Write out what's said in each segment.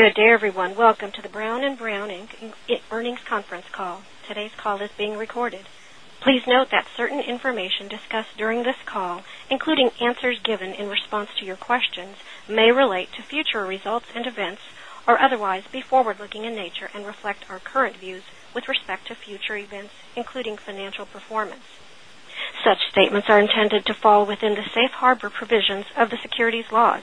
Good day, everyone. Welcome to the Brown & Brown, Inc. Earnings Conference Call. Today's call is being recorded. Please note that certain information discussed during this call, including answers given in response to your questions, may relate to future results and events, or otherwise be forward-looking in nature and reflect our current views with respect to future events, including financial performance. Such statements are intended to fall within the safe harbor provisions of the securities laws.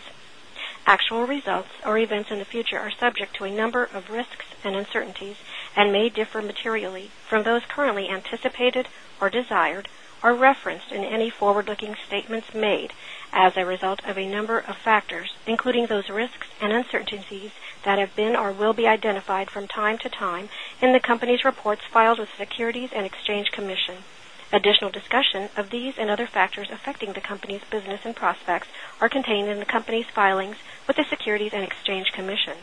Actual results or events in the future are subject to a number of risks and uncertainties and may differ materially from those currently anticipated or desired, or referenced in any forward-looking statements made as a result of a number of factors, including those risks and uncertainties that have been or will be identified from time to time in the company's reports filed with the Securities and Exchange Commission. Additional discussion of these and other factors affecting the company's business and prospects are contained in the company's filings with the Securities and Exchange Commission.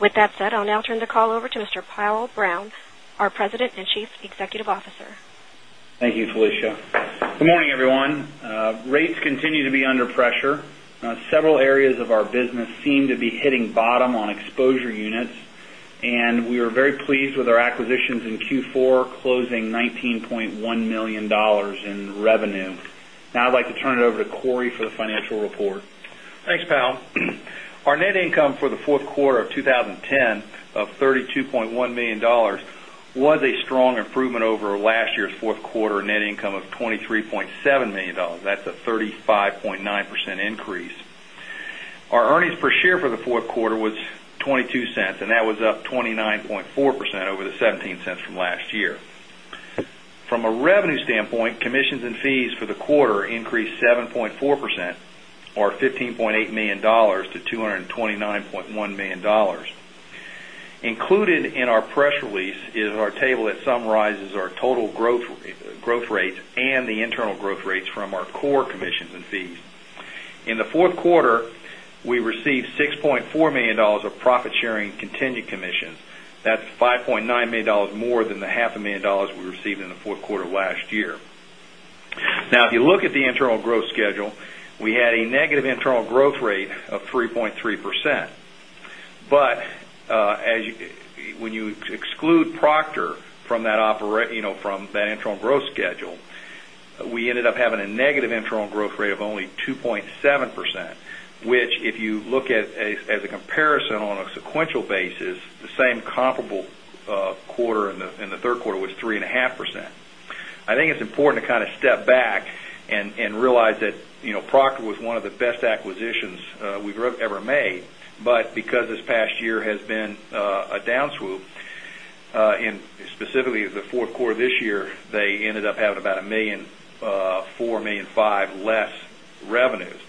With that said, I'll now turn the call over to Mr. Powell Brown, our President and Chief Executive Officer. Thank you, Felicia. Good morning, everyone. Rates continue to be under pressure. Several areas of our business seem to be hitting bottom on exposure units, and we are very pleased with our acquisitions in Q4, closing $19.1 million in revenue. Now I'd like to turn it over to Cory for the financial report. Thanks, Powell. Our net income for the fourth quarter of 2010 of $32.1 million was a strong improvement over last year's fourth quarter net income of $23.7 million. That's a 35.9% increase. Our earnings per share for the fourth quarter was $0.22, and that was up 29.4% over the $0.17 from last year. From a revenue standpoint, commissions and fees for the quarter increased 7.4%, or $15.8 million to $229.1 million. Included in our press release is our table that summarizes our total growth rates and the internal growth rates from our core commissions and fees. In the fourth quarter, we received $6.4 million of profit-sharing contingent commissions. That's $5.9 million more than the half a million dollars we received in the fourth quarter last year. Now, if you look at the internal growth schedule, we had a negative internal growth rate of 3.3%. When you exclude Proctor from that internal growth schedule, we ended up having a negative internal growth rate of only 2.7%, which, if you look at as a comparison on a sequential basis, the same comparable quarter in the third quarter was 3.5%. I think it's important to step back and realize that Proctor was one of the best acquisitions we've ever made. Because this past year has been a down swoop, and specifically the fourth quarter this year, they ended up having about $1.4 million-$1.5 million less revenues.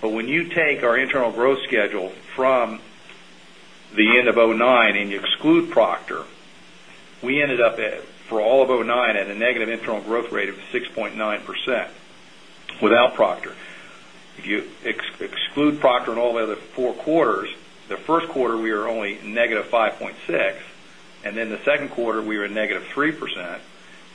When you take our internal growth schedule from the end of 2009 and you exclude Proctor, we ended up, for all of 2009, at a negative internal growth rate of 6.9% without Proctor. If you exclude Proctor and all the other four quarters, the first quarter, we are only -5.6%, the second quarter, we were at -3%,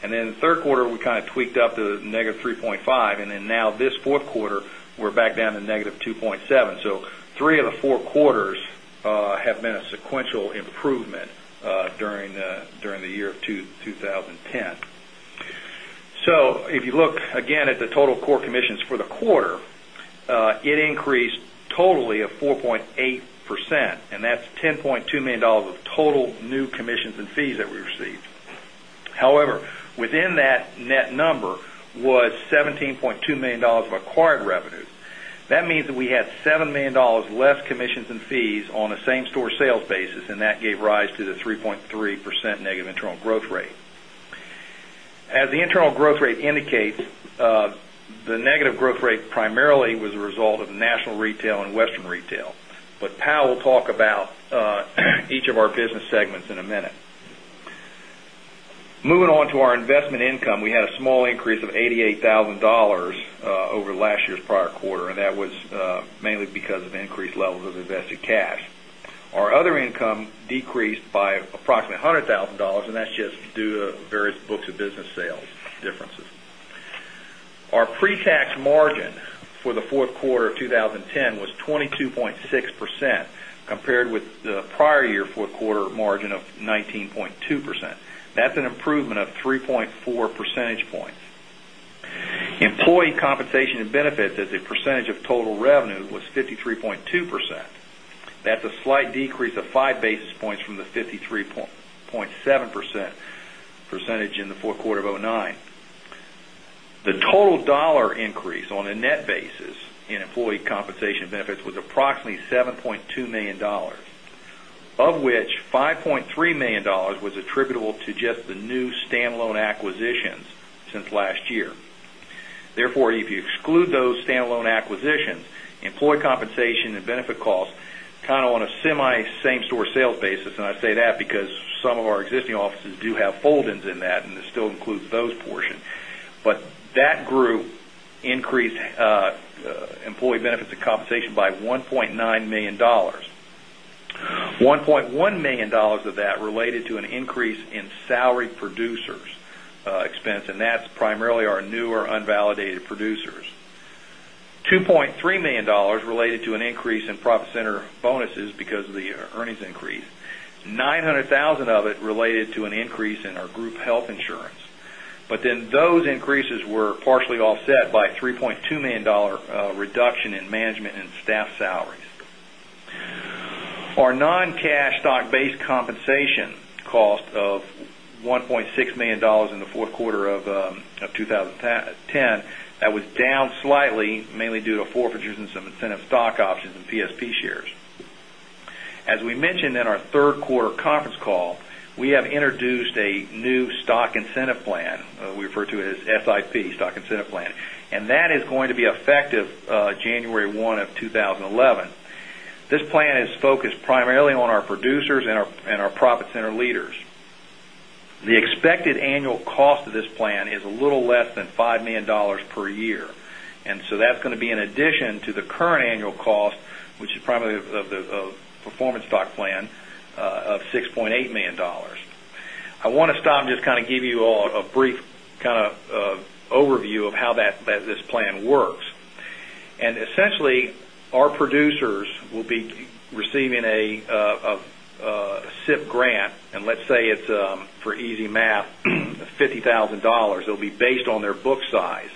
the third quarter, we kind of tweaked up to -3.5%, now this fourth quarter, we're back down to -2.7%. Three of the four quarters have been a sequential improvement during the year of 2010. If you look again at the total core commissions for the quarter, it increased totally of 4.8%, and that's $10.2 million of total new commissions and fees that we received. However, within that net number was $17.2 million of acquired revenue. That means that we had $7 million less commissions and fees on a same-store sales basis, and that gave rise to the 3.3% negative internal growth rate. As the internal growth rate indicates, the negative growth rate primarily was a result of national retail and western retail. Powell will talk about each of our business segments in a minute. Moving on to our investment income, we had a small increase of $88,000 over last year's prior quarter, and that was mainly because of increased levels of invested cash. Our other income decreased by approximately $100,000, and that's just due to various books of business sales differences. Our pre-tax margin for the fourth quarter of 2010 was 22.6%, compared with the prior year fourth quarter margin of 19.2%. That's an improvement of 3.4 percentage points. Employee compensation and benefits as a percentage of total revenue was 53.2%. That's a slight decrease of five basis points from the 53.7% percentage in the fourth quarter of 2009. The total dollar increase on a net basis in employee compensation benefits was approximately $7.2 million, of which $5.3 million was attributable to just the new standalone acquisitions since last year. If you exclude those standalone acquisitions, employee compensation and benefit costs on a semi same-store sales basis, and I say that because some of our existing offices do have fold-ins in that, and this still includes those portion. That group increased employee benefits and compensation by $1.9 million. $1.1 million of that related to an increase in salary producers expense, and that's primarily our newer unvalidated producers. $2.3 million related to an increase in profit center bonuses because of the earnings increase. $900,000 of it related to an increase in our group health insurance. Those increases were partially offset by a $3.2 million reduction in management and staff salaries. Our non-cash stock-based compensation cost of $1.6 million in the fourth quarter of 2010, that was down slightly, mainly due to forfeitures and some incentive stock options and PSP shares. As we mentioned in our third quarter conference call, we have introduced a new stock incentive plan. We refer to it as SIP, stock incentive plan, and that is going to be effective January 1 of 2011. This plan is focused primarily on our producers and our profit center leaders. The expected annual cost of this plan is a little less than $5 million per year. That's going to be in addition to the current annual cost, which is primarily of the performance stock plan of $6.8 million. I want to stop and just give you all a brief overview of how this plan works. Essentially, our producers will be receiving a SIP grant, and let's say it's, for easy math, $50,000. It'll be based on their book size.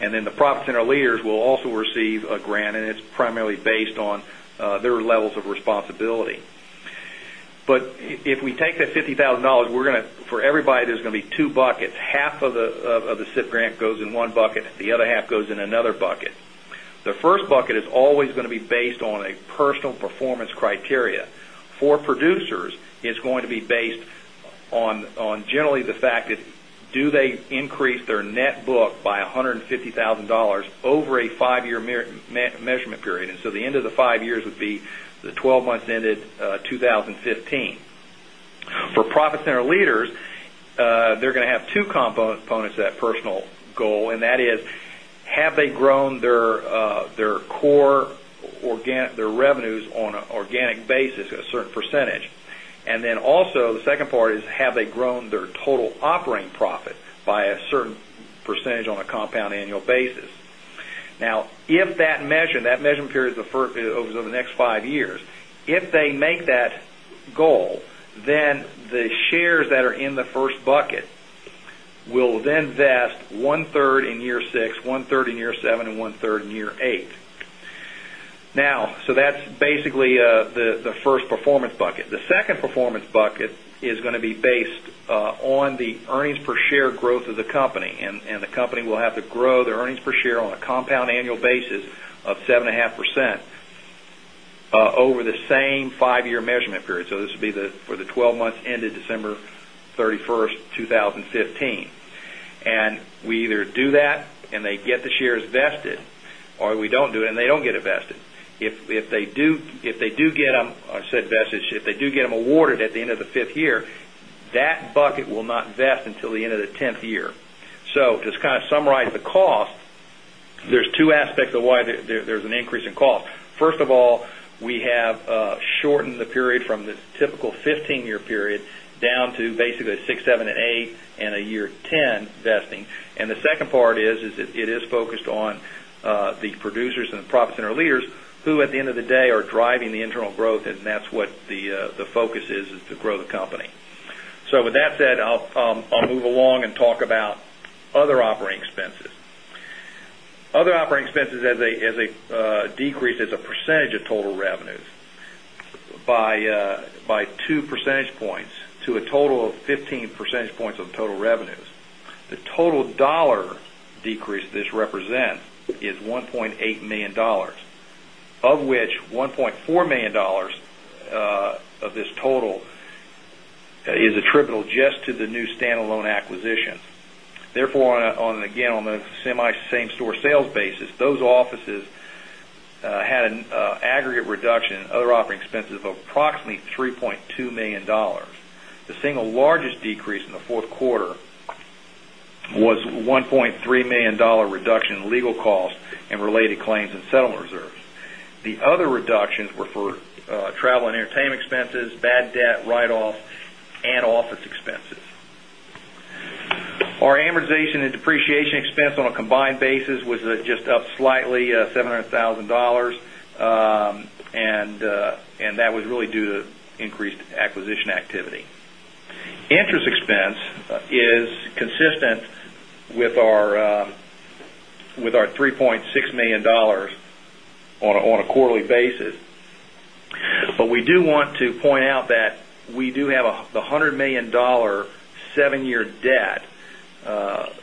Then the profit center leaders will also receive a grant, and it's primarily based on their levels of responsibility. If we take that $50,000, for everybody, there's going to be two buckets. Half of the SIP grant goes in one bucket, the other half goes in another bucket. The first bucket is always going to be based on a personal performance criteria. For producers, it's going to be based on generally the fact that do they increase their net book by $150,000 over a five-year measurement period. The end of the five years would be the 12 months ended 2015. For profit center leaders, they're going to have two components to that personal goal, and that is, have they grown their revenues on an organic basis at a certain percentage? Also, the second part is, have they grown their total operating profit by a certain percentage on a compound annual basis? If that measurement period is over the next five years, if they make that goal, the shares that are in the first bucket will then vest one-third in year six, one-third in year seven, and one-third in year eight. That's basically the first performance bucket. The second performance bucket is going to be based on the earnings per share growth of the company, and the company will have to grow their earnings per share on a compound annual basis of 7.5% over the same five-year measurement period. This will be for the 12 months ended December 31st, 2015. We either do that, and they get the shares vested, or we don't do it, and they don't get it vested. If they do get them awarded at the end of the fifth year, that bucket will not vest until the end of the 10th year. Just to summarize the cost, there's two aspects of why there's an increase in cost. First of all, we have shortened the period from the typical 15-year period down to basically a six, seven, and eight, and a year 10 vesting. The second part is, it is focused on the producers and the profit center leaders, who at the end of the day, are driving the internal growth, and that's what the focus is to grow the company. With that said, I'll move along and talk about other operating expenses. Other operating expenses as a decrease as a percentage of total revenues by 2 percentage points to a total of 15 percentage points of total revenues. The total dollar decrease this represents is $1.8 million, of which $1.4 million of this total is attributable just to the new standalone acquisition. Again, on the semi-same store sales basis, those offices had an aggregate reduction in other operating expenses of approximately $3.2 million. The single largest decrease in the fourth quarter was a $1.3 million reduction in legal costs and related claims and settlement reserves. The other reductions were for travel and entertainment expenses, bad debt write-offs, and office expenses. Our amortization and depreciation expense on a combined basis was just up slightly, $700,000. That was really due to increased acquisition activity. Interest expense is consistent with our $3.6 million on a quarterly basis. We do want to point out that we do have the $100 million seven-year debt that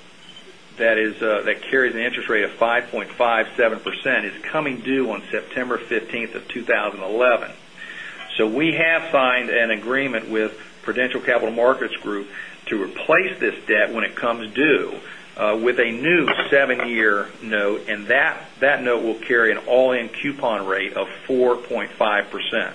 carries an interest rate of 5.57%. It's coming due on September 15th, 2011. We have signed an agreement with The Prudential Capital Markets Group to replace this debt when it comes due with a new seven-year note. That note will carry an all-in coupon rate of 4.5%.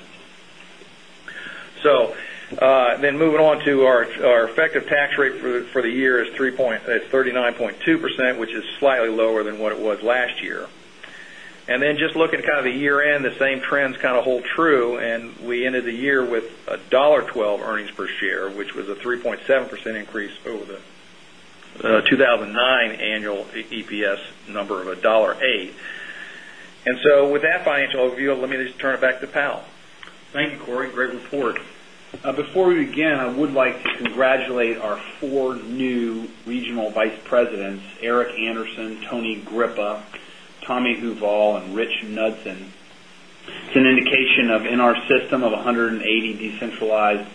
Moving on to our effective tax rate for the year is 39.2%, which is slightly lower than what it was last year. Just looking at the year-end, the same trends hold true. We ended the year with a $1.12 earnings per share, which was a 3.7% increase over the 2009 annual EPS number of $1.08. With that financial view, let me just turn it back to Powell. Thank you, Cory. Great report. Before we begin, I would like to congratulate our 4 new regional vice presidents, Eric Anderson, Tony Grippa, Tommy Huval, and Rich Knudsen. It's an indication of, in our system of 180 decentralized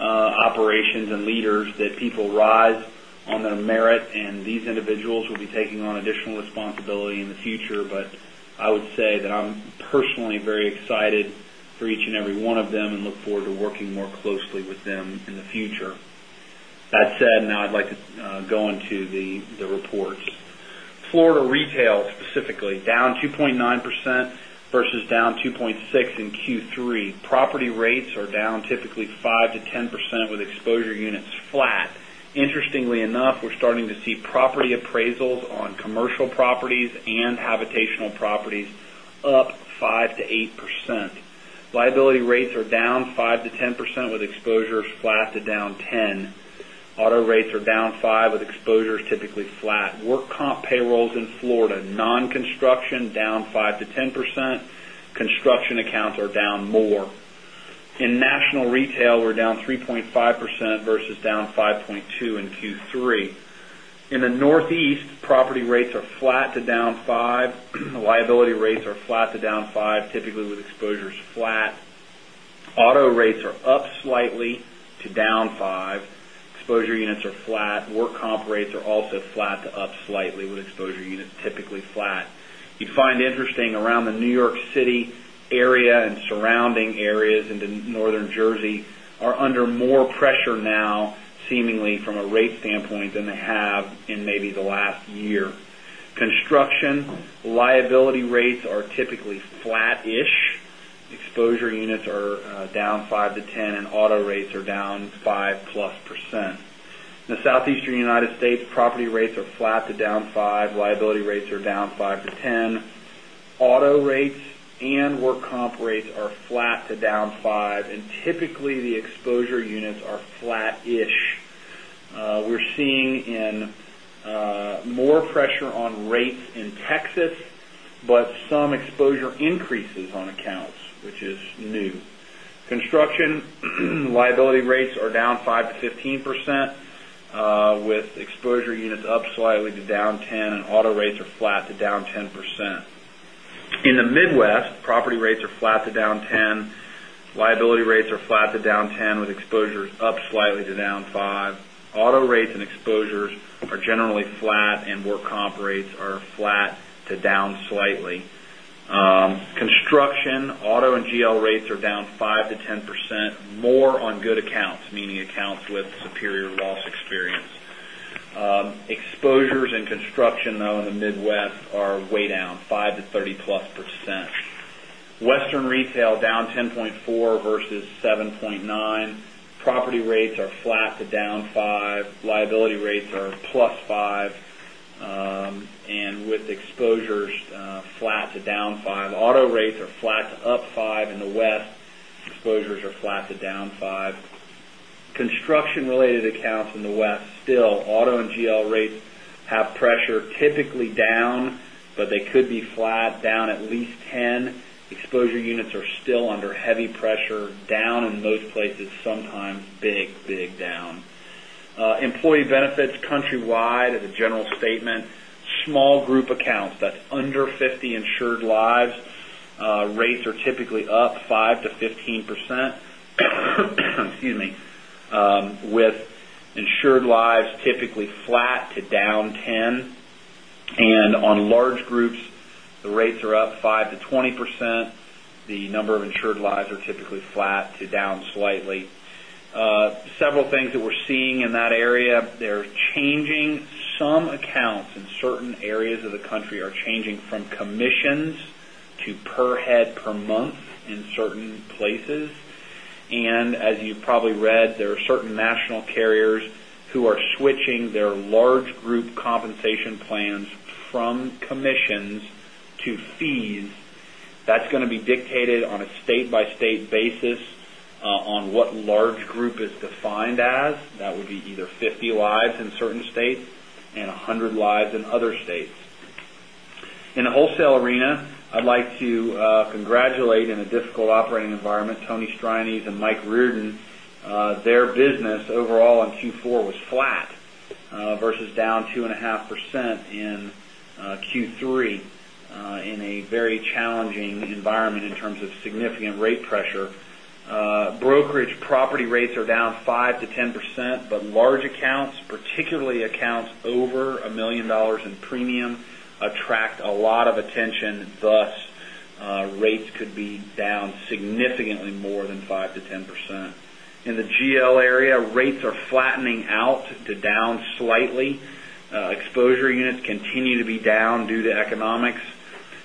operations and leaders, that people rise on their merit. These individuals will be taking on additional responsibility in the future. I would say that I'm personally very excited for each and every one of them. Look forward to working more closely with them in the future. That said, now I'd like to go into the reports. Florida retail, specifically, down 2.9% versus down 2.6% in Q3. Property rates are down typically 5%-10% with exposure units flat. Interestingly enough, we're starting to see property appraisals on commercial properties and habitational properties up 5%-8%. Liability rates are down 5%-10% with exposures flat to down 10. Auto rates are down 5% with exposures typically flat. Work comp payrolls in Florida, non-construction down 5%-10%. Construction accounts are down more. In national retail, we're down 3.5% versus down 5.2% in Q3. In the Northeast, property rates are flat to down 5%. Liability rates are flat to down 5%, typically with exposures flat. Auto rates are up slightly to down 5%. Exposure units are flat. Work comp rates are also flat to up slightly with exposure units typically flat. You find interesting around the New York City area and surrounding areas into Northern Jersey are under more pressure now, seemingly from a rate standpoint, than they have in maybe the last year. Construction liability rates are typically flat-ish. Exposure units are down 5%-10%, auto rates are down 5%+. In the Southeastern United States, property rates are flat to down 5%. Liability rates are down 5%-10%. Auto rates and work comp rates are flat to down 5%, typically, the exposure units are flat-ish. We're seeing more pressure on rates in Texas, but some exposure increases on accounts, which is new. Construction liability rates are down 5%-15%, with exposure units up slightly to down 10%, auto rates are flat to down 10%. In the Midwest, property rates are flat to down 10%. Liability rates are flat to down 10%, with exposures up slightly to down 5%. Auto rates and exposures are generally flat, work comp rates are flat to down slightly. Construction, auto, and GL rates are down 5%-10%, more on good accounts, meaning accounts with superior loss experience. Exposures in construction, though, in the Midwest are way down, 5%-30%+. Western retail down 10.4% versus 7.9%. Property rates are flat to down 5%. Liability rates are +5%, with exposures flat to down 5%. Auto rates are flat to up 5% in the West. Exposures are flat to down 5%. Construction-related accounts in the West, still auto and GL rates have pressure typically down, but they could be flat down at least 10%. Exposure units are still under heavy pressure, down in most places, sometimes big down. Employee benefits countrywide as a general statement, small group accounts, that's under 50 insured lives, rates are typically up 5%-15%. Excuse me. With insured lives typically flat to down 10%. On large groups, the rates are up 5%-20%. The number of insured lives are typically flat to down slightly. Several things that we're seeing in that area, some accounts in certain areas of the country are changing from commissions to per head per month in certain places. As you probably read, there are certain national carriers who are switching their large group compensation plans from commissions to fees. That's going to be dictated on a state-by-state basis on what large group is defined as. That would be either 50 lives in certain states and 100 lives in other states. In the wholesale arena, I'd like to congratulate in a difficult operating environment, Tony Strianese and Mike Kearton. Their business overall in Q4 was flat versus down 2.5% in Q3, in a very challenging environment in terms of significant rate pressure. Brokerage property rates are down 5%-10%, but large accounts, particularly accounts over $1 million in premium, attract a lot of attention, thus, rates could be down significantly more than 5%-10%. In the GL area, rates are flattening out to down slightly. Exposure units continue to be down due to economics.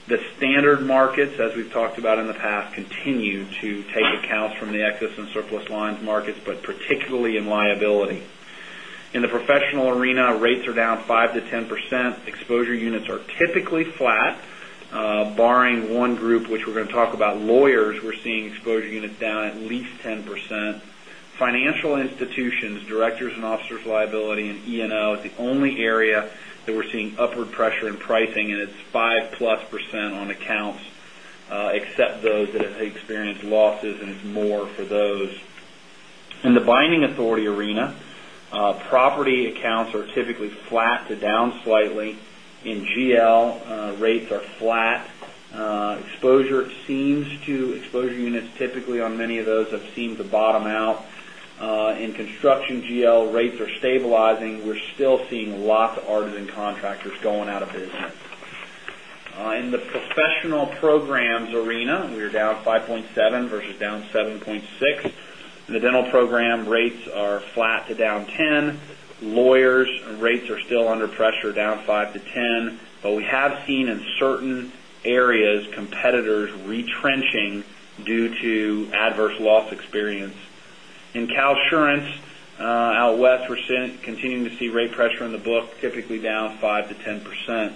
The standard markets, as we've talked about in the past, continue to take accounts from the excess and surplus lines markets, but particularly in liability. In the professional arena, rates are down 5%-10%. Exposure units are typically flat, barring one group, which we're going to talk about. Lawyers, we're seeing exposure units down at least 10%. Financial institutions, directors and officers liability, and E&O is the only area that we're seeing upward pressure in pricing, and it's 5%+ on accounts, except those that have experienced losses, and it's more for those. In the binding authority arena, property accounts are typically flat to down slightly. In GL, rates are flat. Exposure units typically on many of those have seemed to bottom out. In construction GL, rates are stabilizing. We're still seeing lots of artisan contractors going out of business. In the professional programs arena, we are down 5.7% versus down 7.6%. The dental program rates are flat to down 10%. Lawyers' rates are still under pressure, down 5%-10%. We have seen in certain areas competitors retrenching due to adverse loss experience. In CalSurance, out west, we're continuing to see rate pressure in the book, typically down 5%-10%.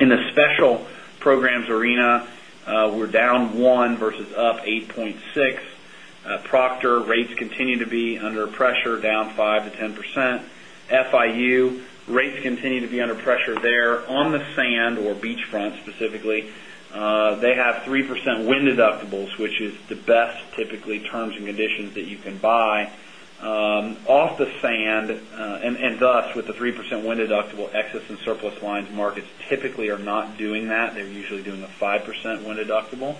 In the special programs arena, we're down 1% versus up 8.6%. Proctor rates continue to be under pressure, down 5%-10%. FIU rates continue to be under pressure there. On the sand, or beachfront specifically, they have 3% wind deductibles, which is the best typically terms and conditions that you can buy. Off the sand. Thus with the 3% wind deductible, excess and surplus lines markets typically are not doing that. They're usually doing a 5% wind deductible.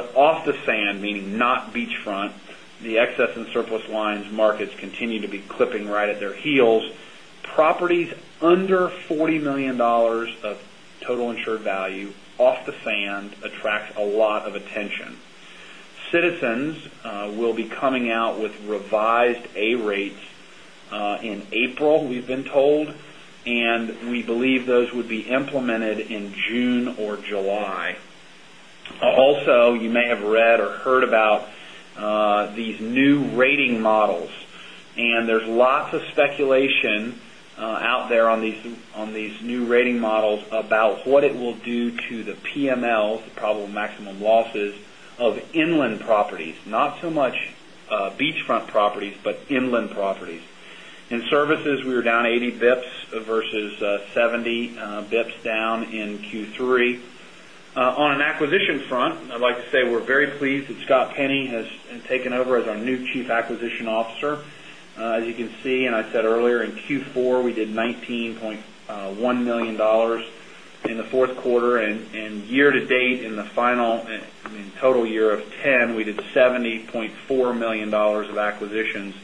Off the sand, meaning not beachfront, the excess and surplus lines markets continue to be clipping right at their heels. Properties under $40 million of total insured value off the sand attracts a lot of attention. Citizens will be coming out with revised A rates in April, we've been told, and we believe those would be implemented in June or July. You may have read or heard about these new rating models. There's lots of speculation out there on these new rating models about what it will do to the PMLs, the probable maximum losses, of inland properties. Not so much beachfront properties, but inland properties. In services, we were down 80 basis points versus 70 basis points down in Q3. On an acquisition front, I'd like to say we're very pleased that Scott Penny has taken over as our new Chief Acquisition Officer. As you can see, and I said earlier, in Q4, we did $19.1 million in the fourth quarter. Year to date, in the final total year of 2010, we did $70.4 million of acquisitions.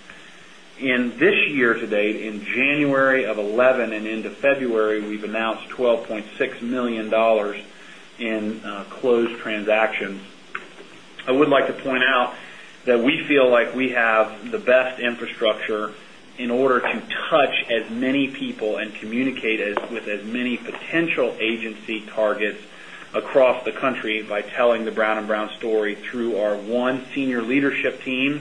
In this year to date, in January of 2011 and into February, we've announced $12.6 million in closed transactions. I would like to point out that we feel like we have the best infrastructure in order to touch as many people and communicate with as many potential agency targets across the country by telling the Brown & Brown story through our, one, senior leadership team,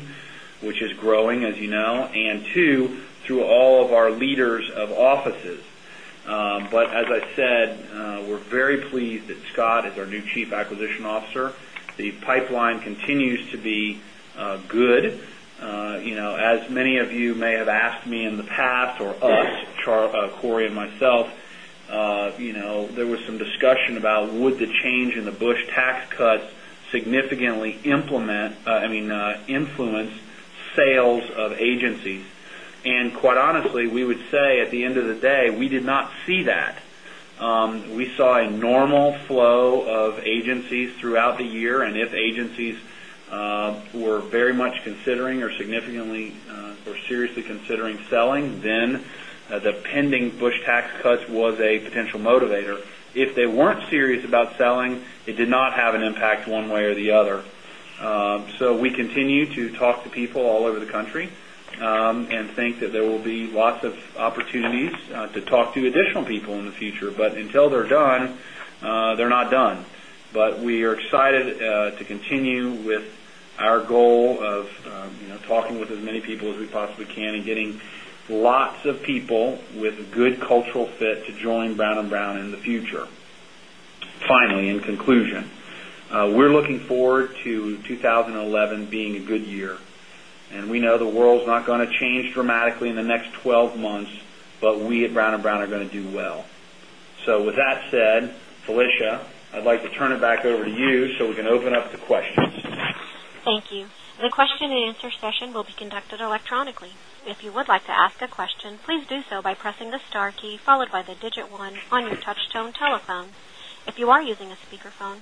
which is growing, as you know, and two, through all of our leaders of offices. As I said, we're very pleased that Scott is our new Chief Acquisitions Officer. The pipeline continues to be good. As many of you may have asked me in the past, or us, Cory and myself, there was some discussion about would the change in the Bush tax cuts significantly influence sales of agencies. Quite honestly, we would say at the end of the day, we did not see that. We saw a normal flow of agencies throughout the year. If agencies were very much considering or significantly or seriously considering selling, then the pending Bush tax cuts was a potential motivator. If they weren't serious about selling, it did not have an impact one way or the other. We continue to talk to people all over the country and think that there will be lots of opportunities to talk to additional people in the future. Until they're done, they're not done. We are excited to continue with our goal of talking with as many people as we possibly can and getting lots of people with good cultural fit to join Brown & Brown in the future. Finally, in conclusion, we're looking forward to 2011 being a good year. We know the world's not going to change dramatically in the next 12 months. We at Brown & Brown are going to do well. With that said, Felicia, I'd like to turn it back over to you so we can open up to questions. Thank you. The question and answer session will be conducted electronically. If you would like to ask a question, please do so by pressing the star key, followed by the digit 1 on your touchtone telephone. If you are using a speakerphone,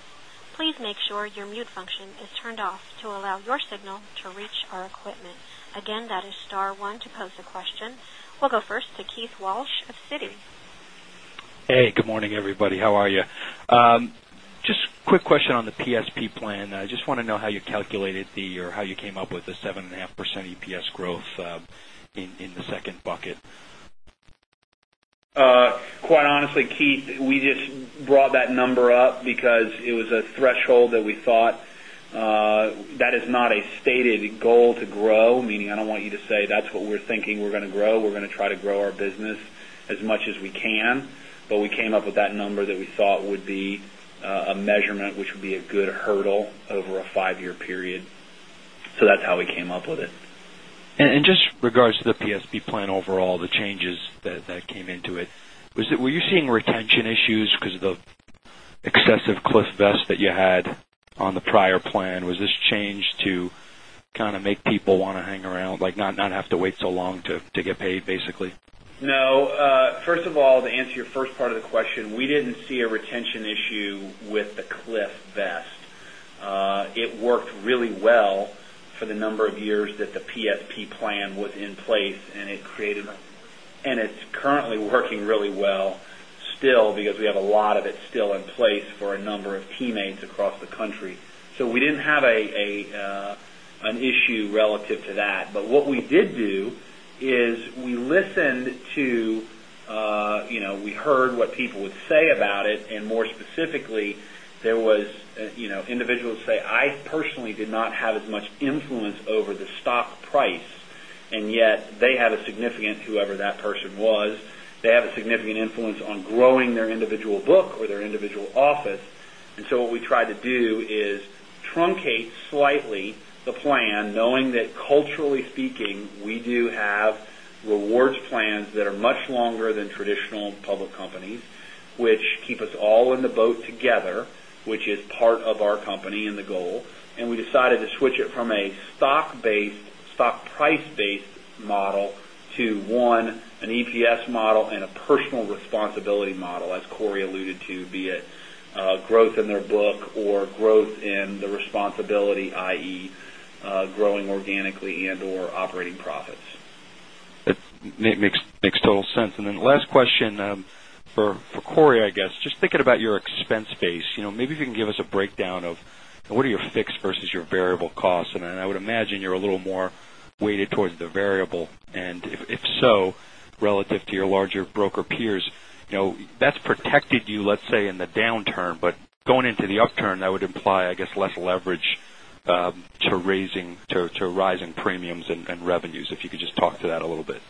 please make sure your mute function is turned off to allow your signal to reach our equipment. Again, that is star one to pose a question. We'll go first to Keith Walsh of Citi. Hey, good morning, everybody. How are you? Just a quick question on the PSP plan. I just want to know how you calculated or how you came up with the 7.5% EPS growth in the second bucket. Quite honestly, Keith, we just brought that number up because it was a threshold that we thought. That is not a stated goal to grow, meaning I don't want you to say that's what we're thinking we're going to grow. We're going to try to grow our business as much as we can. We came up with that number that we thought would be a measurement, which would be a good hurdle over a five-year period. That's how we came up with it. Just regards to the PSP plan overall, the changes that came into it, were you seeing retention issues because of the excessive cliff vest that you had on the prior plan? Was this change to kind of make people want to hang around, like not have to wait so long to get paid, basically? No. First of all, to answer your first part of the question, we didn't see a retention issue with the cliff vest. It worked really well for the number of years that the PSP plan was in place, and it's currently working really well still because we have a lot of it still in place for a number of teammates across the country. We didn't have an issue relative to that. What we did do is we heard what people would say about it, and more specifically, there was individuals say, "I personally did not have as much influence over the stock price," and yet they had a significant, whoever that person was, they have a significant influence on growing their individual book or their individual office. What we tried to do is truncate slightly the plan, knowing that culturally speaking, we do have rewards plans that are much longer than traditional public companies, which keep us all in the boat together, which is part of our company and the goal. We decided to switch it from a stock price-based model to, one, an EPS model and a personal responsibility model, as Cory alluded to, be it growth in their book or growth in the responsibility, i.e., growing organically and/or operating profits. That makes total sense. Last question, for Cory, I guess. Just thinking about your expense base, maybe if you can give us a breakdown of what are your fixed versus your variable costs. I would imagine you're a little more weighted towards the variable, and if so, relative to your larger broker peers. That's protected you, let's say, in the downturn, but going into the upturn, that would imply, I guess, less leverage to rising premiums and revenues. If you could just talk to that a little bit.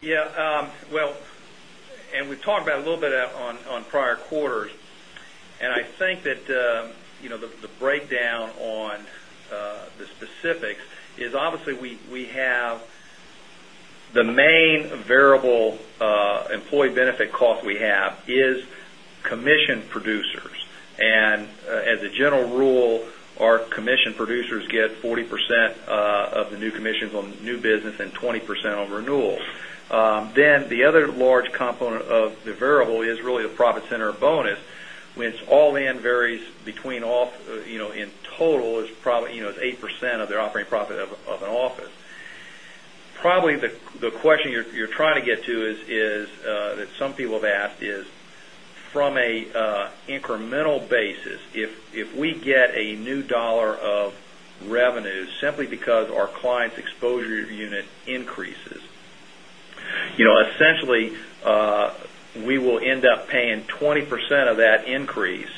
Yeah. We've talked about a little bit on prior quarters, I think that the breakdown on the specifics is obviously we have the main variable employee benefit cost we have is commission producers. As a general rule, our commission producers get 40% of the new commissions on new business and 20% on renewals. The other large component of the variable is really the profit center bonus, which all in varies between in total is probably 8% of their operating profit of an office. Probably the question you're trying to get to is, that some people have asked is, from an incremental basis, if we get a new dollar of revenue simply because our client's exposure unit increases, essentially, we will end up paying 20% of that increase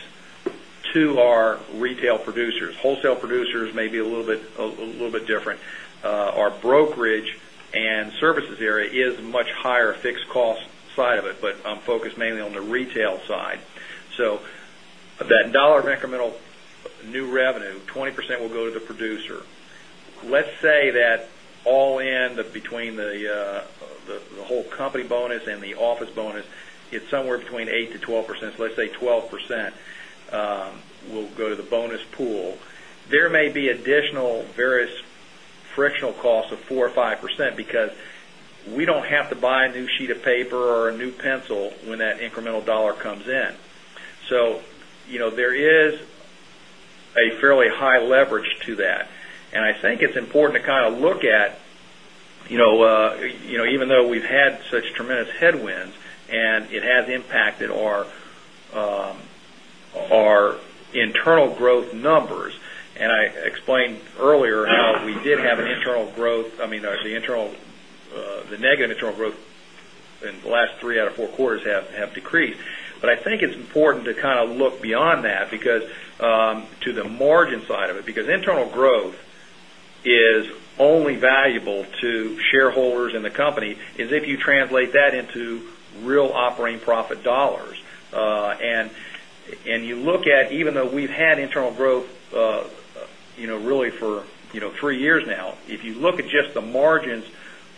to our retail producers. Wholesale producers may be a little bit different. Our brokerage and services area is a much higher fixed cost side of it, but I'm focused mainly on the retail side. That dollar incremental new revenue, 20% will go to the producer. Let's say that all in, between the whole company bonus and the office bonus, it's somewhere between 8%-12%, so let's say 12% will go to the bonus pool. There may be additional various frictional costs of 4% or 5% because we don't have to buy a new sheet of paper or a new pencil when that incremental dollar comes in. There is a fairly high leverage to that. I think it's important to kind of look at even though we've had such tremendous headwinds, it has impacted our internal growth numbers. I explained earlier how we did have an internal growth. I mean, the negative internal growth in the last three out of four quarters have decreased. I think it's important to kind of look beyond that because to the margin side of it, because internal growth is only valuable to shareholders in the company is if you translate that into real operating profit dollars. You look at, even though we've had internal growth really for three years now. If you look at just the margins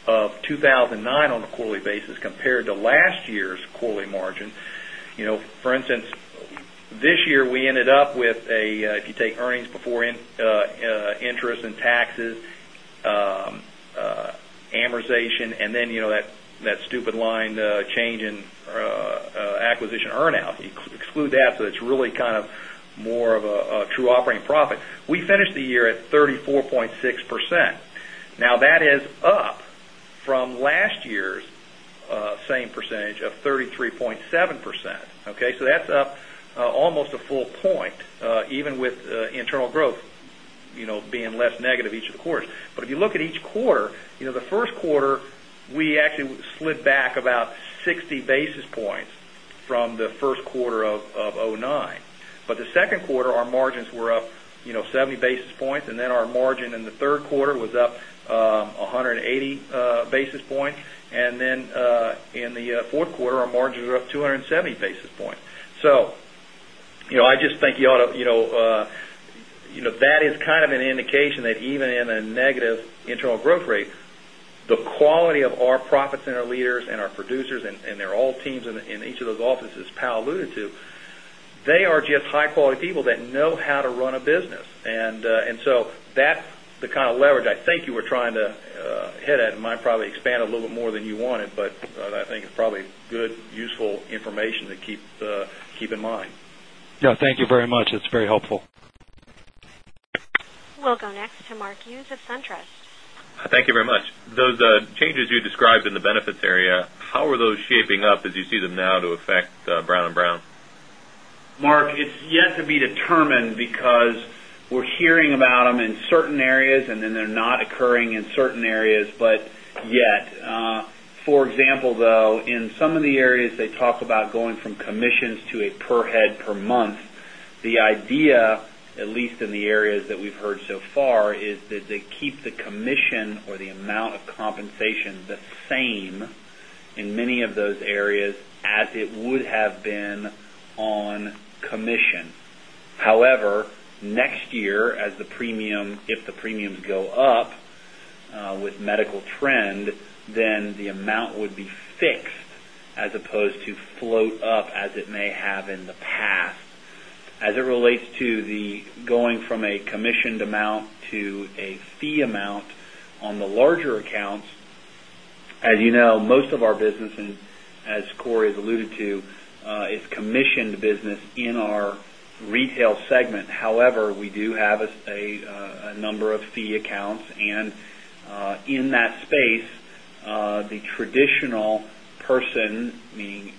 of 2009 on a quarterly basis compared to last year's quarterly margin. For instance, this year, we ended up with a, if you take earnings before interest and taxes, amortization, and then that stupid line change in acquisition earn-out. You exclude that, so it's really kind of more of a true operating profit. We finished the year at 34.6%. Now, that is up from last year's same percentage of 33.7%. Okay? That's up almost a full point even with internal growth. Being less negative each of the quarters. If you look at each quarter, the first quarter, we actually slid back about 60 basis points from the first quarter of 2009. The second quarter, our margins were up 70 basis points, our margin in the third quarter was up 180 basis points. In the fourth quarter, our margins were up 270 basis points. I just think that is an indication that even in a negative internal growth rate, the quality of our profits and our leaders and our producers and their all teams in each of those offices Powell alluded to, they are just high-quality people that know how to run a business. That's the kind of leverage I think you were trying to hit at. It might probably expand a little bit more than you wanted, but I think it's probably good, useful information to keep in mind. Thank you very much. It's very helpful. We'll go next to Mark Hughes of SunTrust. Thank you very much. Those changes you described in the benefits area, how are those shaping up as you see them now to affect Brown & Brown? Mark, it's yet to be determined because we're hearing about them in certain areas, then they're not occurring in certain areas but yet. For example, though, in some of the areas they talk about going from commissions to a per head per month. The idea, at least in the areas that we've heard so far, is that they keep the commission or the amount of compensation the same in many of those areas as it would have been on commission. However, next year, if the premiums go up with medical trend, then the amount would be fixed as opposed to float up as it may have in the past. As it relates to the going from a commissioned amount to a fee amount on the larger accounts, as you know, most of our businesses, as Cory has alluded to, is commissioned business in our retail segment. However, we do have a number of fee accounts, in that space, the traditional person, meaning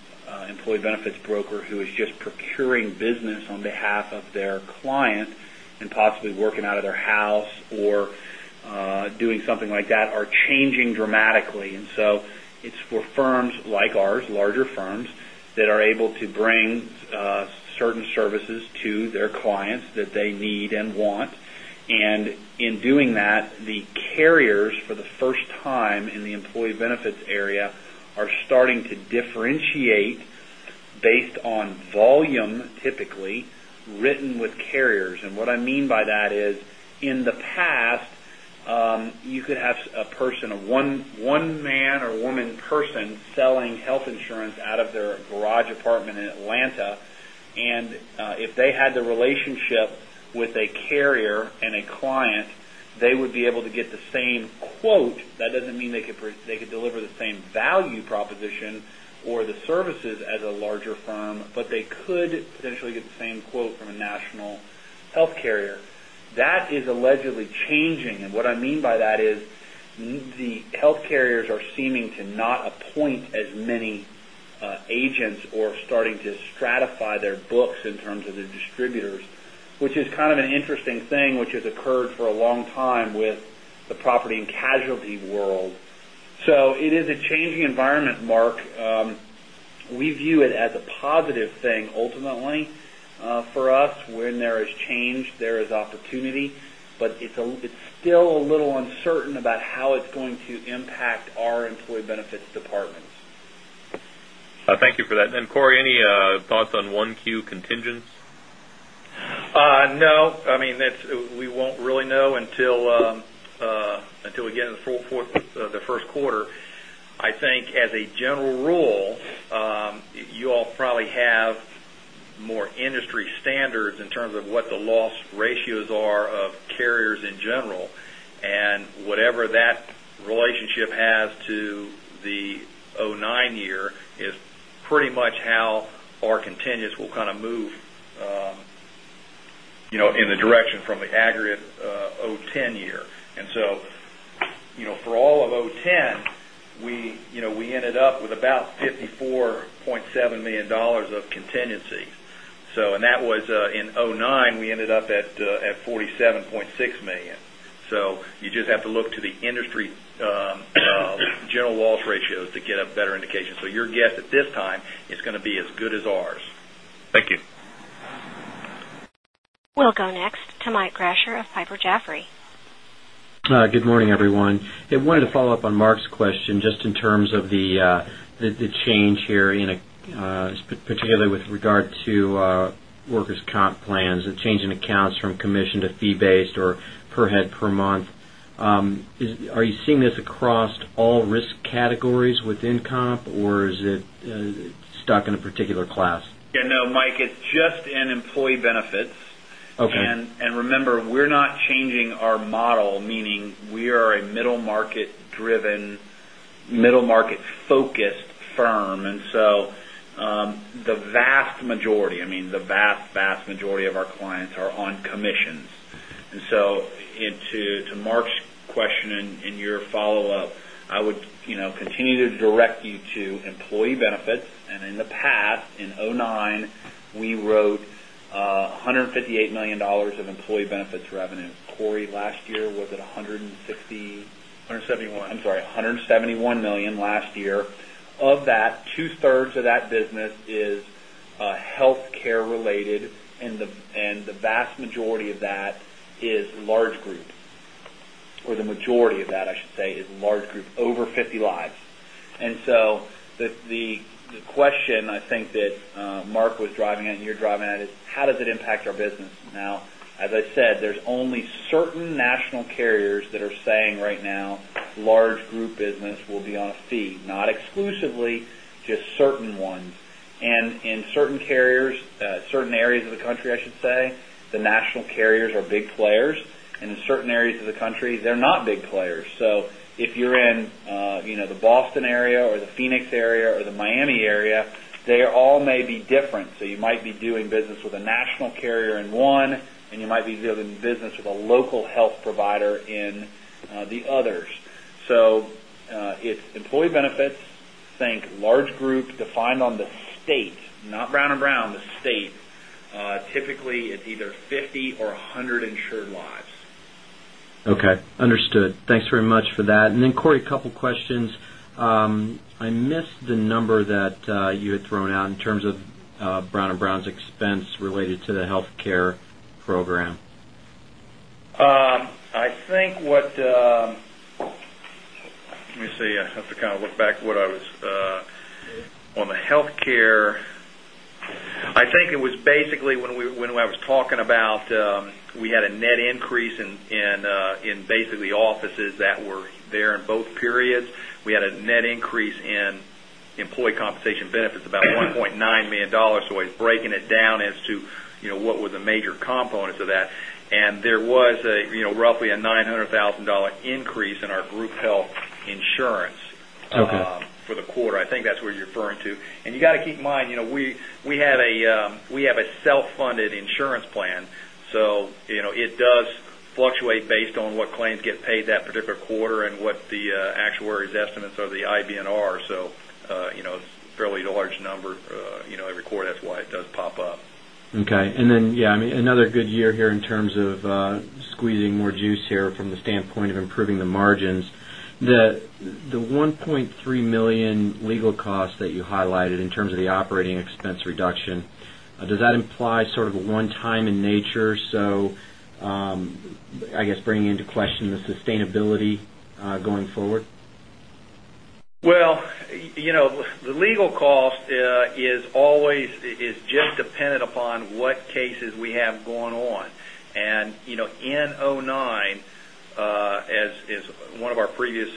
employee benefits broker who is just procuring business on behalf of their client and possibly working out of their house or doing something like that, are changing dramatically. So it's for firms like ours, larger firms, that are able to bring certain services to their clients that they need and want. In doing that, the carriers for the first time in the employee benefits area are starting to differentiate based on volume, typically, written with carriers. What I mean by that is in the past, you could have a person, a one man or woman person selling health insurance out of their garage apartment in Atlanta. If they had the relationship with a carrier and a client, they would be able to get the same quote. That doesn't mean they could deliver the same value proposition or the services as a larger firm, but they could potentially get the same quote from a national health carrier. That is allegedly changing, and what I mean by that is the health carriers are seeming to not appoint as many agents or starting to stratify their books in terms of their distributors, which is an interesting thing which has occurred for a long time with the property and casualty world. It is a changing environment, Mark. We view it as a positive thing ultimately for us. When there is change, there is opportunity. It's still a little uncertain about how it's going to impact our employee benefits departments. Thank you for that. Cory, any thoughts on 1Q contingents? No. We won't really know until we get into the first quarter. I think as a general rule, you all probably have more industry standards in terms of what the loss ratios are of carriers in general. Whatever that relationship has to the 2009 year is pretty much how our contingents will move in the direction from the aggregate 2010 year. For all of 2010, we ended up with about $54.7 million of contingency. That was in 2009, we ended up at $47.6 million. You just have to look to the industry general loss ratios to get a better indication. Your guess at this time is going to be as good as ours. Thank you. We'll go next to Michael Grasher of Piper Jaffray. Good morning, everyone. I wanted to follow up on Mark's question, just in terms of the change here, particularly with regard to workers' comp plans and changing accounts from commission to fee-based or per head per month. Are you seeing this across all risk categories within comp, or is it stuck in a particular class? No, Mike, it's just in employee benefits. Okay. Remember, we're not changing our model, meaning we are a middle-market driven, middle-market focused firm. The vast majority of our clients are on commissions. To Mark's question and your follow-up, I would continue to direct you to employee benefits. In the past, in 2009, we wrote $158 million of employee benefits revenue. Cory, last year, was it $160? 171. I'm sorry, $171 million last year. Of that, two-thirds of that business is healthcare related, and the vast majority of that is large group, or the majority of that, I should say, is large group, over 50 lives. The question I think that Mark was driving at, and you're driving at, is how does it impact our business? As I said, there's only certain national carriers that are saying right now large group business will be on a fee, not exclusively, just certain ones. In certain carriers, certain areas of the country, I should say, the national carriers are big players. In certain areas of the country, they're not big players. If you're in the Boston area or the Phoenix area or the Miami area, they all may be different. You might be doing business with a national carrier in one, and you might be doing business with a local health provider in the others. It's employee benefits, think large group defined on the state, not Brown & Brown, Inc., the state. Typically, it's either 50 or 100 insured lives. Okay, understood. Thanks very much for that. Cory, a couple questions. I missed the number that you had thrown out in terms of Brown & Brown, Inc.'s expense related to the healthcare program. Let me see. I have to look back at what I was. On the healthcare, I think it was when I was talking about, we had a net increase in offices that were there in both periods. We had a net increase in employee compensation benefits, about $1.9 million. I was breaking it down as to what was the major components of that. There was roughly a $900,000 increase in our group health insurance- Okay for the quarter. I think that's what you're referring to. You got to keep in mind, we have a self-funded insurance plan. It does fluctuate based on what claims get paid that particular quarter and what the actuaries' estimates of the IBNR. It's fairly large number every quarter. That's why it does pop up. Okay. Then, another good year here in terms of squeezing more juice here from the standpoint of improving the margins. The $1.3 million legal costs that you highlighted in terms of the operating expense reduction, does that imply sort of a one-time in nature, I guess bringing into question the sustainability going forward? The legal cost is just dependent upon what cases we have going on. In 2009, as one of our previous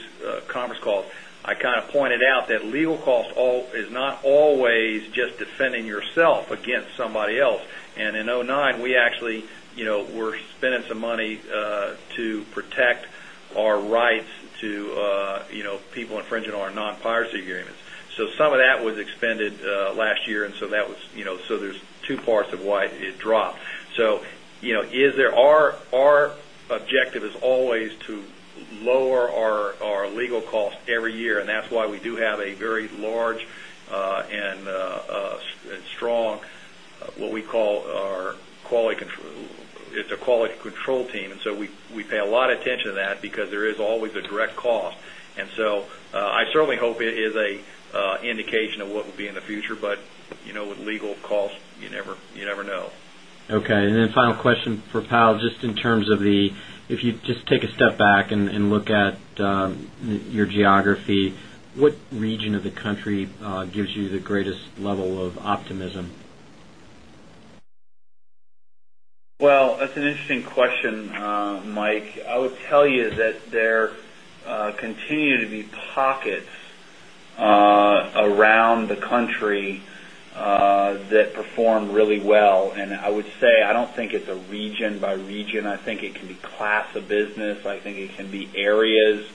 conference calls, I pointed out that legal cost is not always just defending yourself against somebody else. In 2009, we actually were spending some money to protect our rights to people infringing on our non-solicitation agreements. Some of that was expended last year, there's two parts of why it dropped. Our objective is always to lower our legal cost every year, that's why we do have a very large and strong, what we call our quality control team. We pay a lot of attention to that because there is always a direct cost. I certainly hope it is a indication of what will be in the future. With legal costs, you never know. Okay. Final question for Powell, just in terms of the, if you just take a step back and look at your geography, what region of the country gives you the greatest level of optimism? Well, that's an interesting question, Mike. I would tell you that there continue to be pockets around the country that perform really well. I would say, I don't think it's a region by region. I think it can be class of business. I think it can be areas.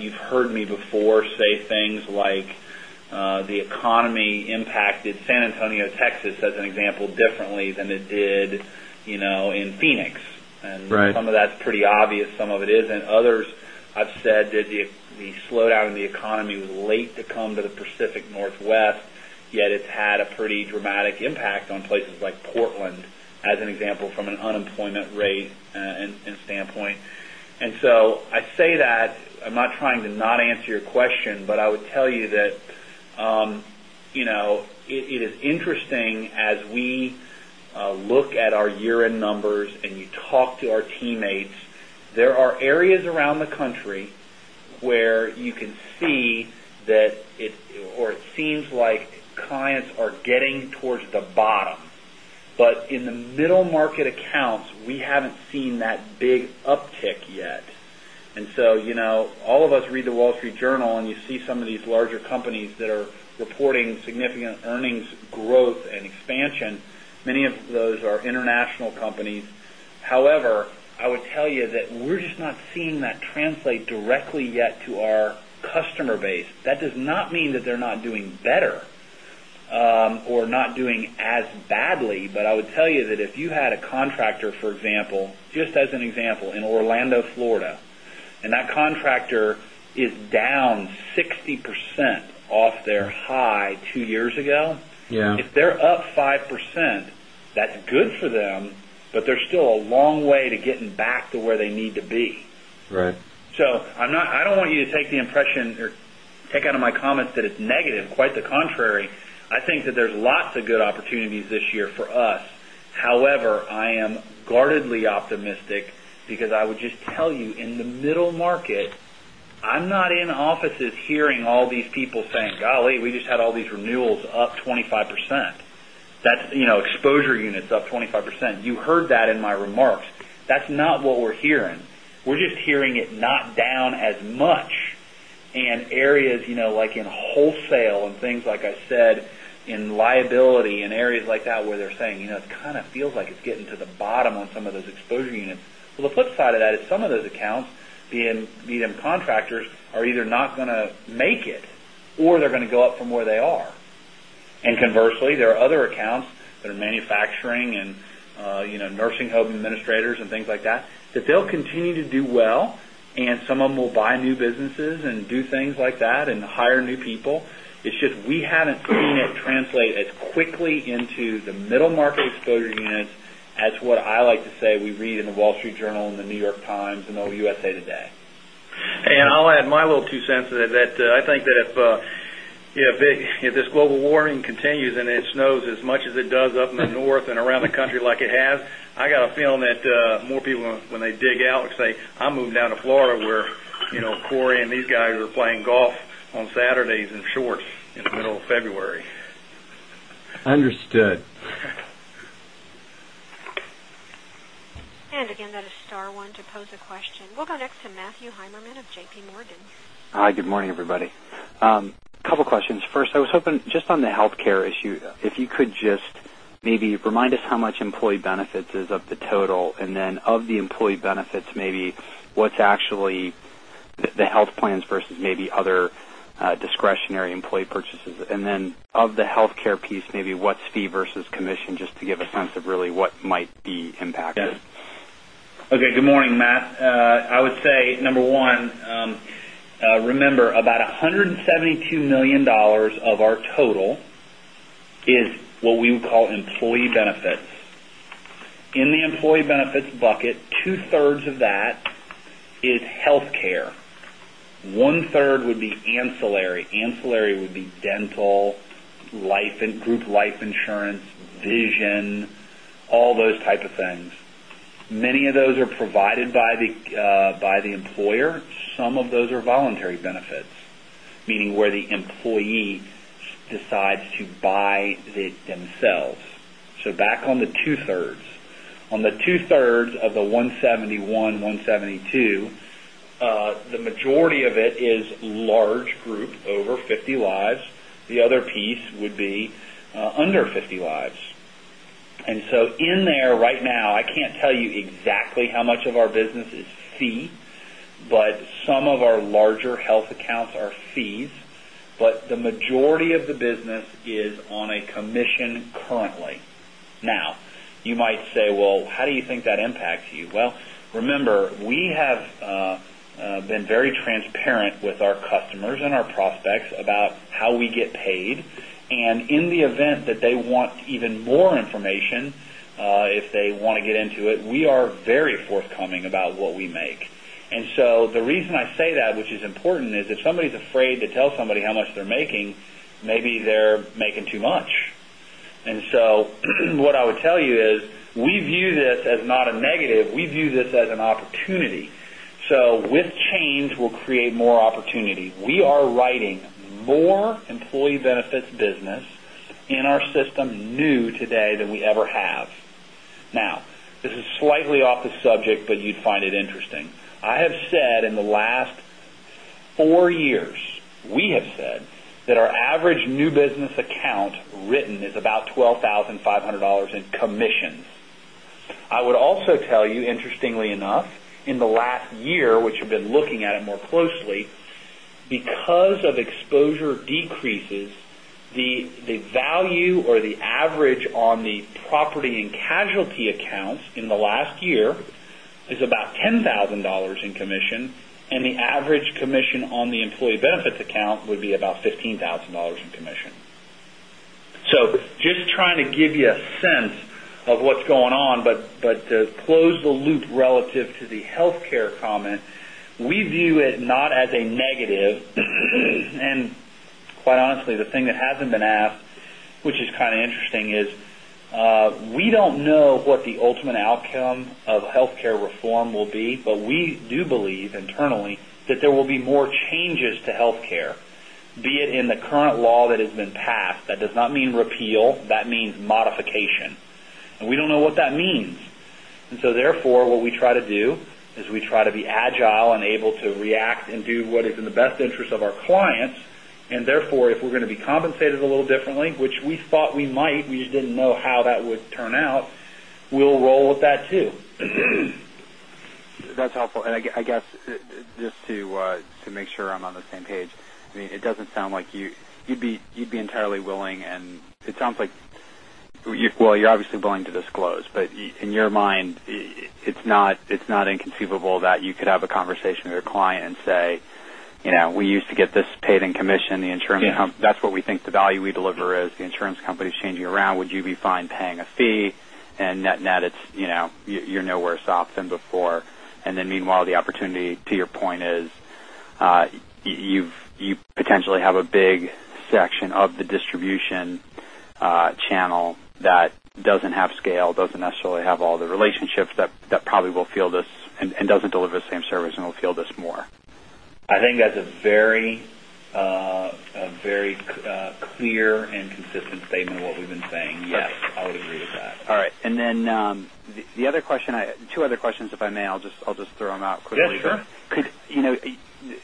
You've heard me before say things like, the economy impacted San Antonio, Texas, as an example, differently than it did in Phoenix. Right. Some of that's pretty obvious, some of it isn't. Others, I've said that the slowdown in the economy was late to come to the Pacific Northwest, yet it's had a pretty dramatic impact on places like Portland, as an example, from an unemployment rate and standpoint. I say that, I'm not trying to not answer your question, but I would tell you that it is interesting as we look at our year-end numbers and you talk to our teammates, there are areas around the country where you can see that it seems like clients are getting towards the bottom. In the middle market accounts, we haven't seen that big uptick yet. All of us read The Wall Street Journal, and you see some of these larger companies that are reporting significant earnings growth and expansion. Many of those are international companies. However, I would tell you that we're just not seeing that translate directly yet to our customer base. That does not mean that they're not doing better, or not doing as badly. I would tell you that if you had a contractor, for example, just as an example, in Orlando, Florida. That contractor is down 60% off their high two years ago. Yeah. If they're up 5%, that's good for them, but they're still a long way to getting back to where they need to be. Right. I don't want you to take the impression, or take out of my comments that it's negative. Quite the contrary. I think that there's lots of good opportunities this year for us. However, I am guardedly optimistic because I would just tell you, in the middle market, I'm not in offices hearing all these people saying, "Golly, we just had all these renewals up 25%." That's exposure units up 25%. You heard that in my remarks. That's not what we're hearing. We're just hearing it not down as much in areas like in wholesale and things, like I said, in liability, in areas like that, where they're saying, "It kind of feels like it's getting to the bottom on some of those exposure units." Well, the flip side of that is some of those accounts, being contractors, are either not going to make it, or they're going to go up from where they are. Conversely, there are other accounts that are manufacturing and nursing home administrators and things like that they'll continue to do well, and some of them will buy new businesses and do things like that and hire new people. It's just we haven't seen it translate as quickly into the middle market exposure units as what I like to say we read in The Wall Street Journal and The New York Times and USA Today. I'll add my little $0.02 to that. I think that if this global warming continues, and it snows as much as it does up in the north and around the country like it has, I got a feeling that more people, when they dig out, will say, "I'm moving down to Florida," where Cory and these guys are playing golf on Saturdays in shorts in the middle of February. Understood. that is star 1 to pose a question. We'll go next to Matthew Heimerman of J.P. Morgan. Hi, good morning, everybody. Couple of questions. First, I was hoping, just on the healthcare issue, if you could just maybe remind us how much employee benefits is of the total, then of the employee benefits, maybe what's actually the health plans versus maybe other discretionary employee purchases. Then of the healthcare piece, maybe what's fee versus commission, just to give a sense of really what might be impacted. Yes. Okay. Good morning, Matt. I would say, number 1, remember, about $172 million of our total is what we would call employee benefits. In the employee benefits bucket, two-thirds of that is healthcare. One-third would be ancillary. Ancillary would be dental, group life insurance, vision, all those type of things. Many of those are provided by the employer. Some of those are voluntary benefits, meaning where the employee decides to buy it themselves. Back on the two-thirds. On the two-thirds of the 171, 172, the majority of it is large group, over 50 lives. The other piece would be under 50 lives. In there right now, I can't tell you exactly how much of our business is fee, but some of our larger health accounts are fees. The majority of the business is on a commission currently. You might say, "Well, how do you think that impacts you?" Remember, we have been very transparent with our customers and our prospects about how we get paid. In the event that they want even more information, if they want to get into it, we are very forthcoming about what we make. The reason I say that, which is important, is if somebody's afraid to tell somebody how much they're making, maybe they're making too much. What I would tell you is we view this as not a negative. We view this as an opportunity. With change, we'll create more opportunity. We are writing more employee benefits business in our system new today than we ever have. This is slightly off the subject, but you'd find it interesting. I have said in the last four years, we have said that our average new business account written is about $12,500 in commissions. I would also tell you, interestingly enough, in the last year, which we've been looking at it more closely, because of exposure decreases, the value or the average on the property and casualty accounts in the last year is about $10,000 in commission, and the average commission on the employee benefits account would be about $15,000 in commission. Just trying to give you a sense of what's going on. To close the loop relative to the healthcare comment, we view it not as a negative. Quite honestly, the thing that hasn't been asked, which is kind of interesting, is we don't know what the ultimate outcome of healthcare reform will be. We do believe internally that there will be more changes to healthcare, be it in the current law that has been passed. That does not mean repeal, that means modification. We don't know what that means. Therefore, what we try to do is we try to be agile and able to react and do what is in the best interest of our clients. Therefore, if we're going to be compensated a little differently, which we thought we might, we just didn't know how that would turn out, we'll roll with that, too. That's helpful. I guess just to make sure I'm on the same page, it doesn't sound like you'd be entirely willing, and it sounds like- Well, you're obviously willing to disclose, but in your mind, it's not inconceivable that you could have a conversation with a client and say, "We used to get this paid in commission. That's what we think the value we deliver is. The insurance company's changing around. Would you be fine paying a fee?" Net-net, you're nowhere soft than before. Meanwhile, the opportunity, to your point is, you potentially have a big section of the distribution channel that doesn't have scale, doesn't necessarily have all the relationships, and doesn't deliver the same service, and will feel this more. I think that's a very clear and consistent statement of what we've been saying. Yes, I would agree with that. All right. Two other questions, if I may. I'll just throw them out quickly. Yeah, sure.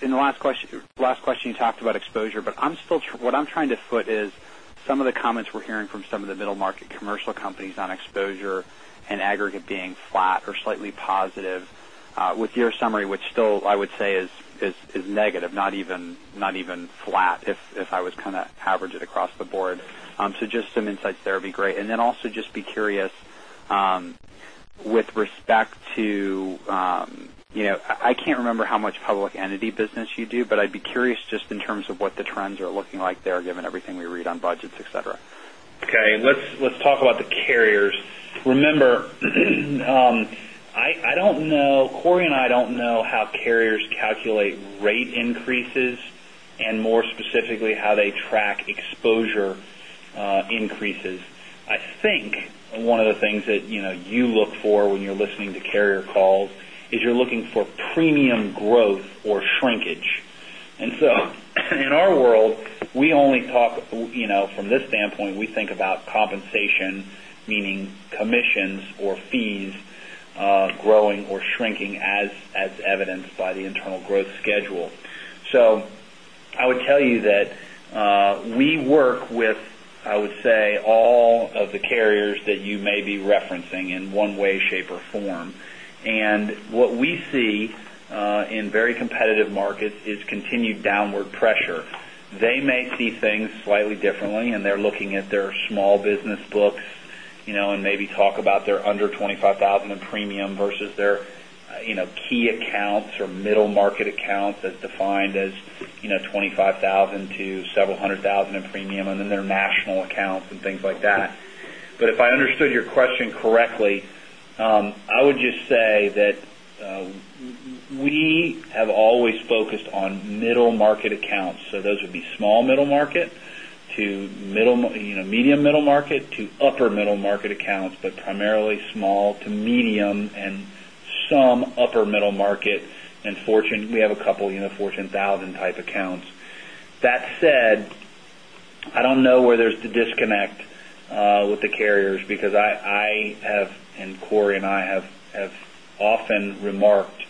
In the last question, you talked about exposure, what I'm trying to foot is some of the comments we're hearing from some of the middle-market commercial companies on exposure and aggregate being flat or slightly positive. With your summary, which still, I would say is negative, not even flat, if I was to average it across the board. Just some insights there would be great. Also just be curious with respect to, I can't remember how much public entity business you do, but I'd be curious just in terms of what the trends are looking like there, given everything we read on budgets, et cetera. Okay. Let's talk about the carriers. Remember, Cory and I don't know how carriers calculate rate increases and more specifically, how they track exposure increases. I think one of the things that you look for when you're listening to carrier calls is you're looking for premium growth or shrinkage. In our world, from this standpoint, we think about compensation, meaning commissions or fees, growing or shrinking as evidenced by the internal growth schedule. I would tell you that we work with, I would say, all of the carriers that you may be referencing in one way, shape, or form. What we see in very competitive markets is continued downward pressure. They may see things slightly differently. They're looking at their small business books. Maybe talk about their under $25,000 in premium versus their key accounts or middle market accounts as defined as $25,000 to several hundred thousand in premium. Their national accounts and things like that. If I understood your question correctly, I would just say that we have always focused on middle market accounts. Those would be small middle market to medium middle market to upper middle market accounts, but primarily small to medium and some upper middle market. We have a couple Fortune 1000 type accounts. That said, I don't know where there's the disconnect with the carriers, because I have. Cory and I have often remarked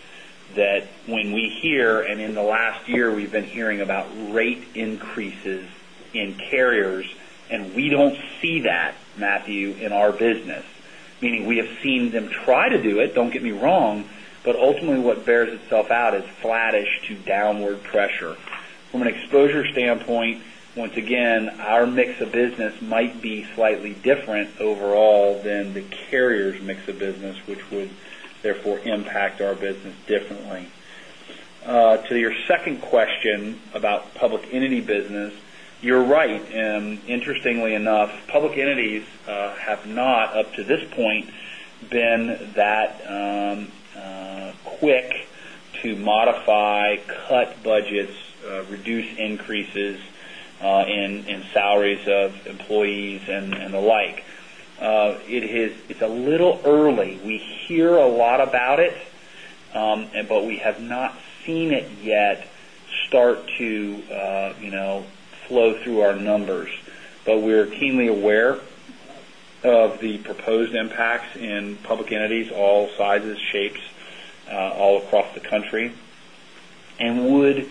that when we hear, in the last year, we've been hearing about rate increases in carriers. We don't see that, Matthew, in our business. Meaning we have seen them try to do it, don't get me wrong, but ultimately what bears itself out is flattish to downward pressure. From an exposure standpoint, once again, our mix of business might be slightly different overall than the carrier's mix of business, which would therefore impact our business differently. To your second question about public entity business, you're right. Interestingly enough, public entities have not, up to this point, been that quick to modify, cut budgets, reduce increases in salaries of employees, and the like. It's a little early. We hear a lot about it. We have not seen it yet start to flow through our numbers. We're keenly aware of the proposed impacts in public entities, all sizes, shapes, all across the country. Would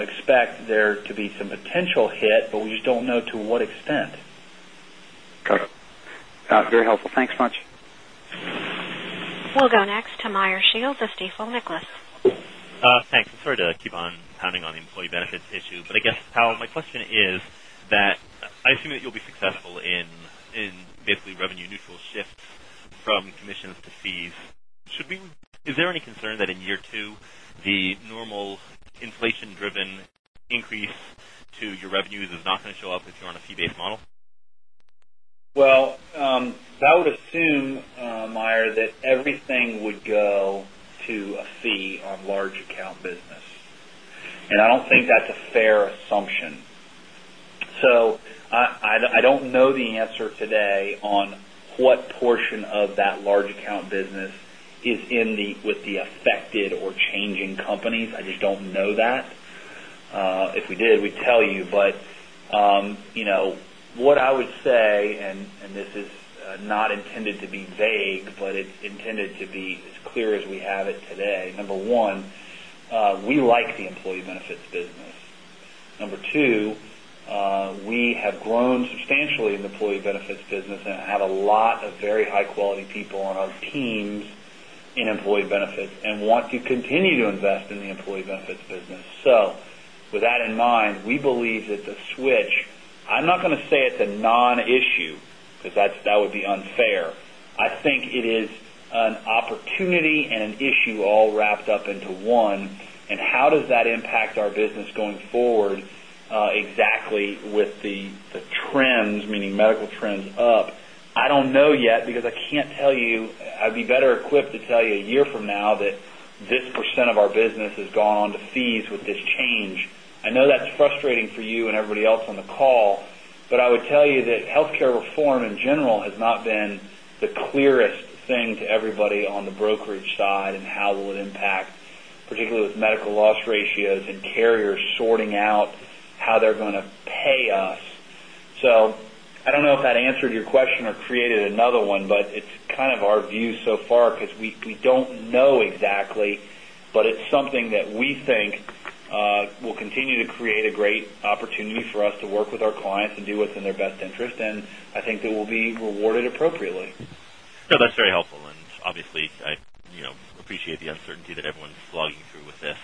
expect there to be some potential hit, but we just don't know to what extent. Got it. Very helpful. Thanks much. We'll go next to Meyer Shields of Stifel Nicolaus. Thanks. Sorry to keep on pounding on the employee benefits issue, I guess, Powell, my question is that I assume that you'll be successful in basically revenue neutral shifts from commissions to fees. Is there any concern that in year two, the normal inflation-driven increase to your revenues is not going to show up if you're on a fee-based model? Well, that would assume, Meyer, that everything would go to a fee on large account business. I don't think that's a fair assumption. I don't know the answer today on what portion of that large account business is with the affected or changing companies. I just don't know that. If we did, we'd tell you. What I would say, and this is not intended to be vague, but it's intended to be as clear as we have it today. Number one, we like the employee benefits business. Number two, we have grown substantially in the employee benefits business and have a lot of very high-quality people on our teams in employee benefits and want to continue to invest in the employee benefits business. With that in mind, we believe that the switch, I'm not going to say it's a non-issue, because that would be unfair. I think it is an opportunity and an issue all wrapped up into one. How does that impact our business going forward exactly with the trends, meaning medical trends, up? I don't know yet, because I can't tell you. I'd be better equipped to tell you a year from now that this % of our business has gone on to cease with this change. I know that's frustrating for you and everybody else on the call, I would tell you that healthcare reform in general has not been the clearest thing to everybody on the brokerage side and how will it impact, particularly with medical loss ratios and carriers sorting out how they're going to pay us. I don't know if that answered your question or created another one, but it's kind of our view so far because we don't know exactly, but it's something that we think will continue to create a great opportunity for us to work with our clients and do what's in their best interest, and I think that we'll be rewarded appropriately. No, that's very helpful, and obviously, I appreciate the uncertainty that everyone's slogging through with this.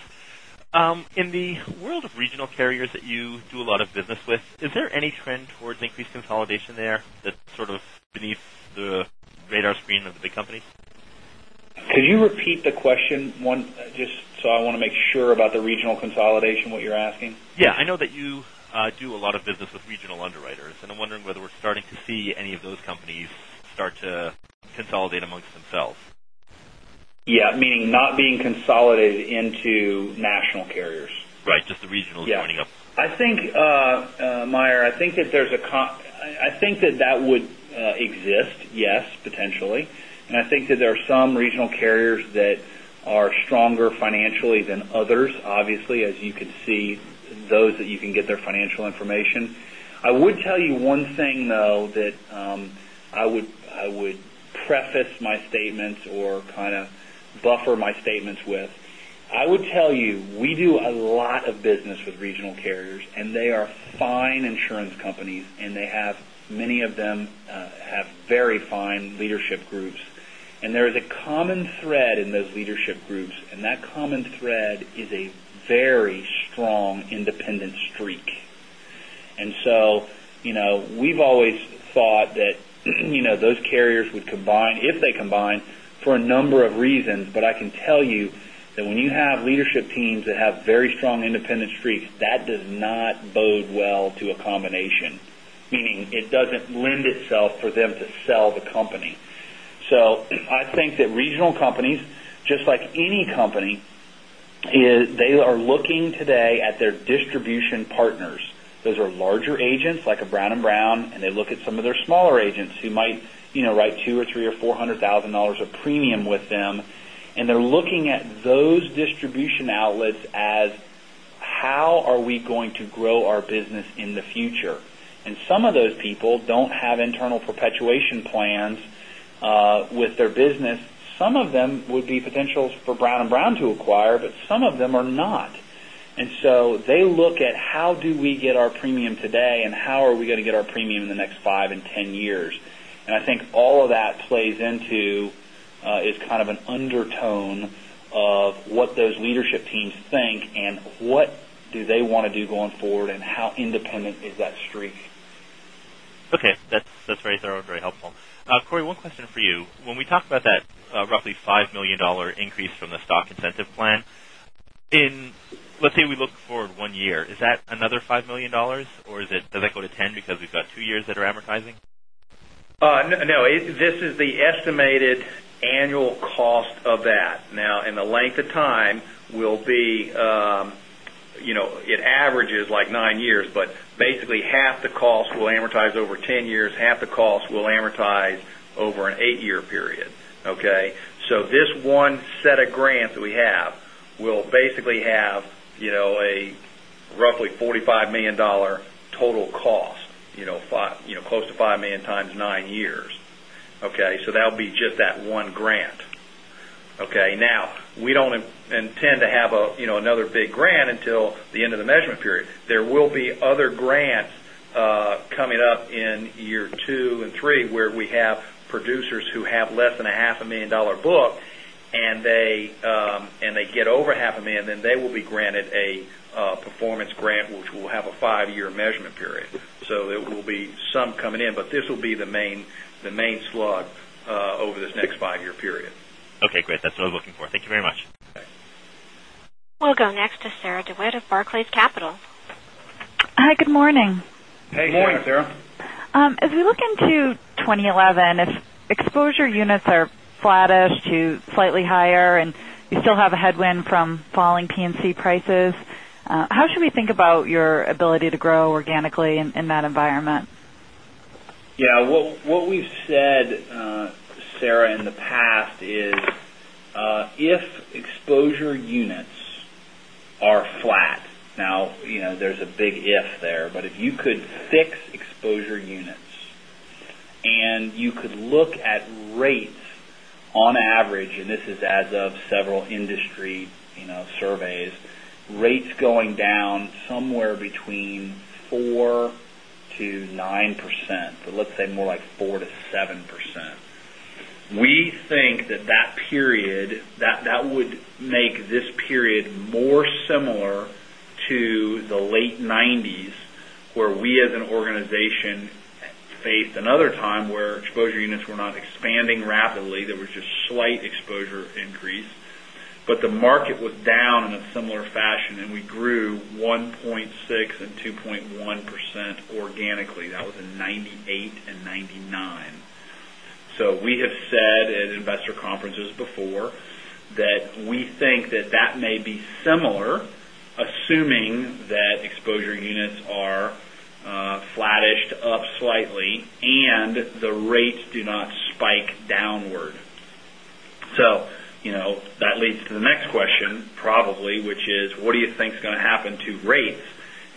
In the world of regional carriers that you do a lot of business with, is there any trend towards increased consolidation there that's sort of beneath the radar screen of the big companies? Could you repeat the question? I want to make sure about the regional consolidation, what you're asking. Yeah. I know that you do a lot of business with regional underwriters, and I'm wondering whether we're starting to see any of those companies start to consolidate amongst themselves. Yeah. Meaning not being consolidated into national carriers. Right. Just the regionals joining up. I think, Meyer, I think that that would exist. Yes, potentially. I think that there are some regional carriers that are stronger financially than others, obviously, as you can see those that you can get their financial information. I would tell you one thing, though, that I would preface my statements or kind of buffer my statements with. I would tell you, we do a lot of business with regional carriers, and they are fine insurance companies, and many of them have very fine leadership groups. There is a common thread in those leadership groups, and that common thread is a very strong independent streak. We've always thought that those carriers would combine, if they combine, for a number of reasons. I can tell you that when you have leadership teams that have very strong independent streaks, that does not bode well to a combination, meaning it doesn't lend itself for them to sell the company. I think that regional companies, just like any company, they are looking today at their distribution partners. Those are larger agents like a Brown & Brown, and they look at some of their smaller agents who might write $200,000 or $300,000 or $400,000 of premium with them. They're looking at those distribution outlets as, how are we going to grow our business in the future? Some of those people don't have internal perpetuation plans with their business. Some of them would be potentials for Brown & Brown to acquire, but some of them are not. They look at how do we get our premium today and how are we going to get our premium in the next five and 10 years. I think all of that plays into is kind of an undertone of what those leadership teams think and what do they want to do going forward, and how independent is that streak. Okay. That's very thorough and very helpful. Cory, one question for you. When we talk about that roughly $5 million increase from the Stock Incentive Plan. Let's say we look forward one year, is that another $5 million, or does that go to 10 because we've got two years that are amortizing? No. This is the estimated annual cost of that. In the length of time, it averages like nine years, but basically half the cost will amortize over 10 years, half the cost will amortize over an eight-year period. Okay? So this one set of grants that we have will basically have a roughly $45 million total cost, close to $5 million times nine years. Okay? So that'll be just that one grant. Okay? We don't intend to have another big grant until the end of the measurement period. There will be other grants coming up in year two and three where we have producers who have less than a half a million dollar book, and they get over half a million, then they will be granted a performance grant which will have a five-year measurement period. There will be some coming in, but this will be the main slug over this next five-year period. Okay, great. That's what I was looking for. Thank you very much. Okay. We'll go next to Sarah DeWitt of Barclays Capital. Hi, good morning. Hey, Sarah. Good morning, Sarah. As we look into 2011, if exposure units are flattish to slightly higher and you still have a headwind from falling P&C prices, how should we think about your ability to grow organically in that environment? Yeah. What we've said, Sarah, in the past is if exposure units are flat. Now, there's a big if there. If you could fix exposure units and you could look at rates on average, and this is as of several industry surveys, rates going down somewhere between 4%-9%. Let's say more like 4%-7%. We think that would make this period more similar to the late 1990s, where we, as an organization, faced another time where exposure units were not expanding rapidly. There was just slight exposure increase. But the market was down in a similar fashion, and we grew 1.6% and 2.1% organically. That was in 1998 and 1999. We have said at investor conferences before that we think that that may be similar, assuming that exposure units are flattish to up slightly, and the rates do not spike downward. That leads to the next question, probably, which is, what do you think is going to happen to rates?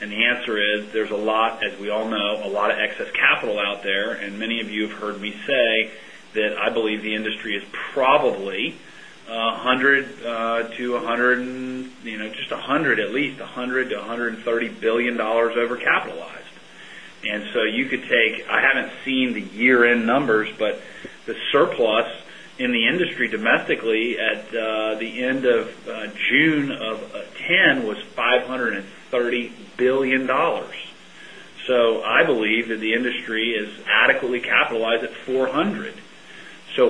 The answer is, as we all know, a lot of excess capital out there. Many of you have heard me say that I believe the industry is probably at least $100 billion-$130 billion over-capitalized. I haven't seen the year-end numbers, but the surplus in the industry domestically at the end of June of 2010 was $530 billion. I believe that the industry is adequately capitalized at $400 billion.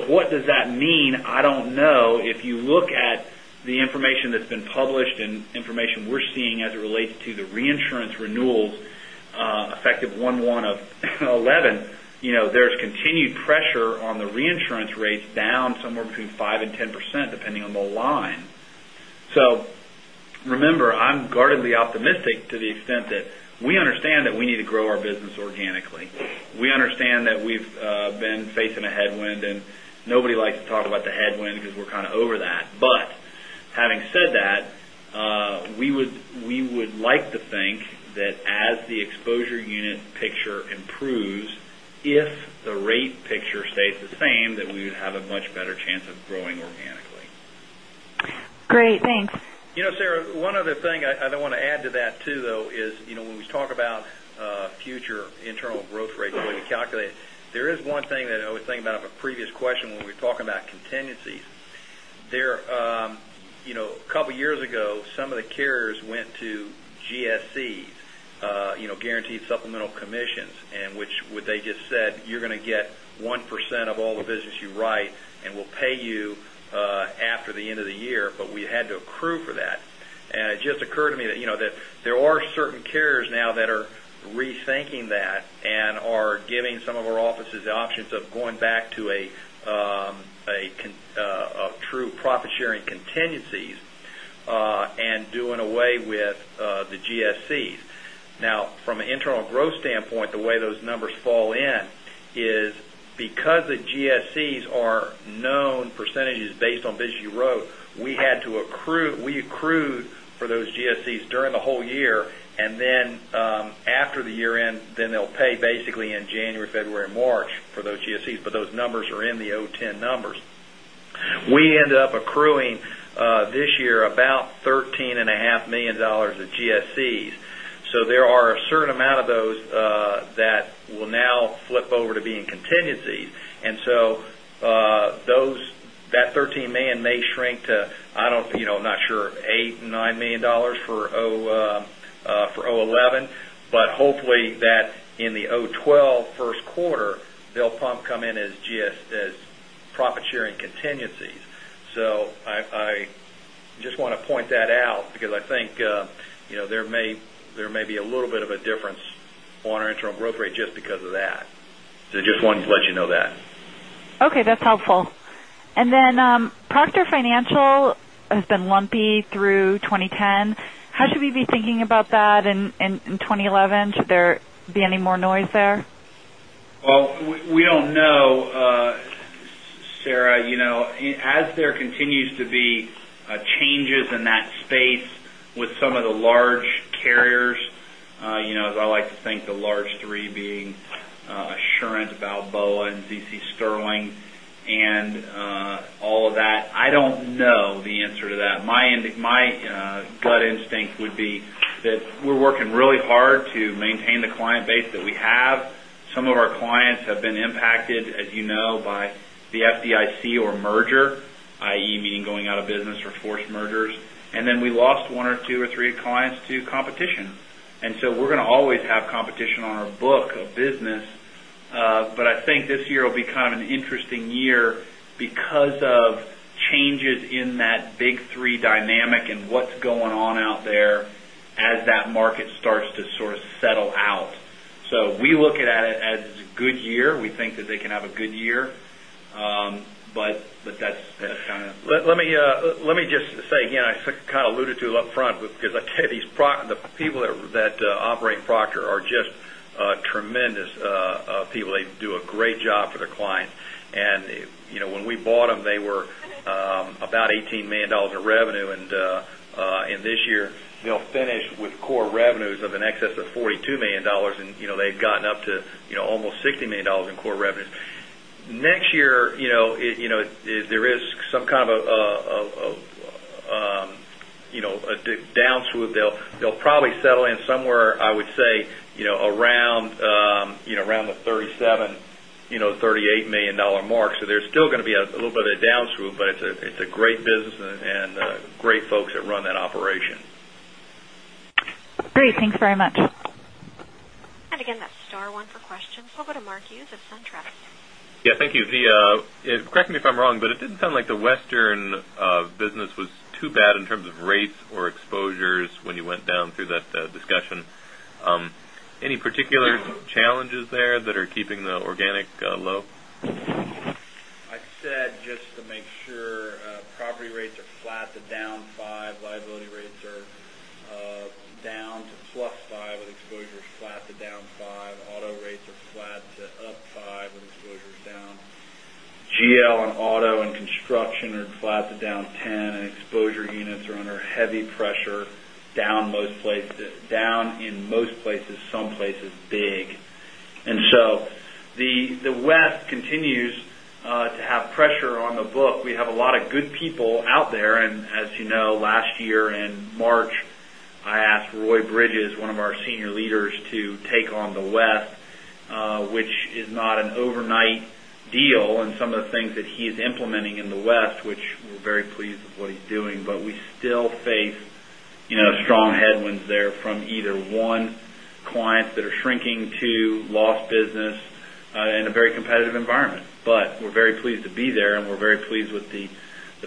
What does that mean? I don't know. If you look at the information that's been published and information we're seeing as it relates to the reinsurance renewals effective 1/1/2011, there's continued pressure on the reinsurance rates down somewhere between 5%-10%, depending on the line. Remember, I'm guardedly optimistic to the extent that we understand that we need to grow our business organically. We understand that we've been facing a headwind, and nobody likes to talk about the headwind because we're kind of over that. Having said that, we would like to think that as the exposure unit picture improves, if the rate picture stays the same, that we would have a much better chance of growing organically. Great. Thanks. Sarah, one other thing I want to add to that too, though, is when we talk about future internal growth rate, the way we calculate it, there is one thing that I was thinking about a previous question when we were talking about contingencies. A couple of years ago, some of the carriers went to GSCs, Guaranteed Supplemental Commissions, in which they just said, "You're going to get 1% of all the business you write, and we'll pay you after the end of the year." We had to accrue for that. It just occurred to me that there are certain carriers now that are rethinking that and are giving some of our offices the options of going back to a true profit-sharing contingencies and doing away with the GSCs. From an internal growth standpoint, the way those numbers fall in is because the GSCs are known percentages based on business you wrote, we accrued for those GSCs during the whole year, and then after the year-end, then they'll pay basically in January, February, and March for those GSCs. Those numbers are in the 2010 numbers. We ended up accruing this year about $13.5 million of GSCs. There are a certain amount of those that will now flip over to being contingencies. That $13 million may shrink to, I'm not sure, $8 million, $9 million for 2011. Hopefully, that in the 2012 first quarter, they'll probably come in as profit-sharing contingencies. I just want to point that out because I think there may be a little bit of a difference on our internal growth rate just because of that. Just wanted to let you know that. Okay, that's helpful. Proctor Financial has been lumpy through 2010. How should we be thinking about that in 2011? Should there be any more noise there? Well, we don't know, Sarah. As there continues to be changes in that space with some of the large carriers, as I like to think the large three being Assurant, Balboa, and QBE Sterling and all of that, I don't know the answer to that. My gut instinct would be that we're working really hard to maintain the client base that we have. Some of our clients have been impacted, as you know, by the FDIC or merger, i.e., meaning going out of business or forced mergers. We lost one or two or three clients to competition. We're going to always have competition on our book of business. I think this year will be kind of an interesting year because of changes in that big three dynamic and what's going on out there as that market starts to sort of settle out. We look at it as a good year. We think that they can have a good year. Let me just say again, I kind of alluded to it upfront because the people that operate Proctor are just tremendous people. They do a great job for their clients. When we bought them, they were about $18 million in revenue. This year, they'll finish with core revenues of an excess of $42 million. They've gotten up to almost $60 million in core revenues. Next year, there is some kind of a down swoop, they'll probably settle in somewhere, I would say, around the $37 million, $38 million mark. There's still going to be a little bit of a down swoop, but it's a great business and great folks that run that operation. Great. Thanks very much. Again, that's star one for questions. We'll go to Mark Hughes of SunTrust. Yeah, thank you. Vee, correct me if I'm wrong, it didn't sound like the Western business was too bad in terms of rates or exposures when you went down through that discussion. Any particular challenges there that are keeping the organic low? I said just to make sure property rates are flat to down 5%, liability rates are down to +5% with exposures flat to down 5%. Auto rates are flat to up 5% with exposures down. GL on auto and construction are flat to down 10%, exposure units are under heavy pressure, down in most places, some places big. The West continues to have pressure on the book. We have a lot of good people out there. As you know, last year in March, I asked Roy Bridges, one of our senior leaders, to take on the West, which is not an overnight deal, some of the things that he is implementing in the West, which we're very pleased with what he's doing, we still face strong headwinds there from either, one, clients that are shrinking, two, lost business in a very competitive environment. We're very pleased to be there, and we're very pleased with the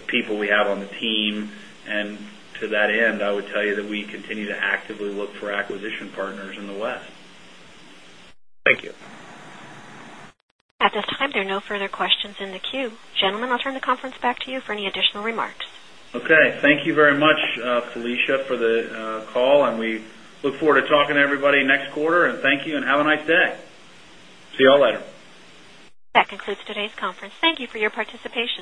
people we have on the team. To that end, I would tell you that we continue to actively look for acquisition partners in the West. Thank you. At this time, there are no further questions in the queue. Gentlemen, I'll turn the conference back to you for any additional remarks. Okay. Thank you very much, Felicia, for the call, and we look forward to talking to everybody next quarter, and thank you, and have a nice day. See you all later. That concludes today's conference. Thank you for your participation.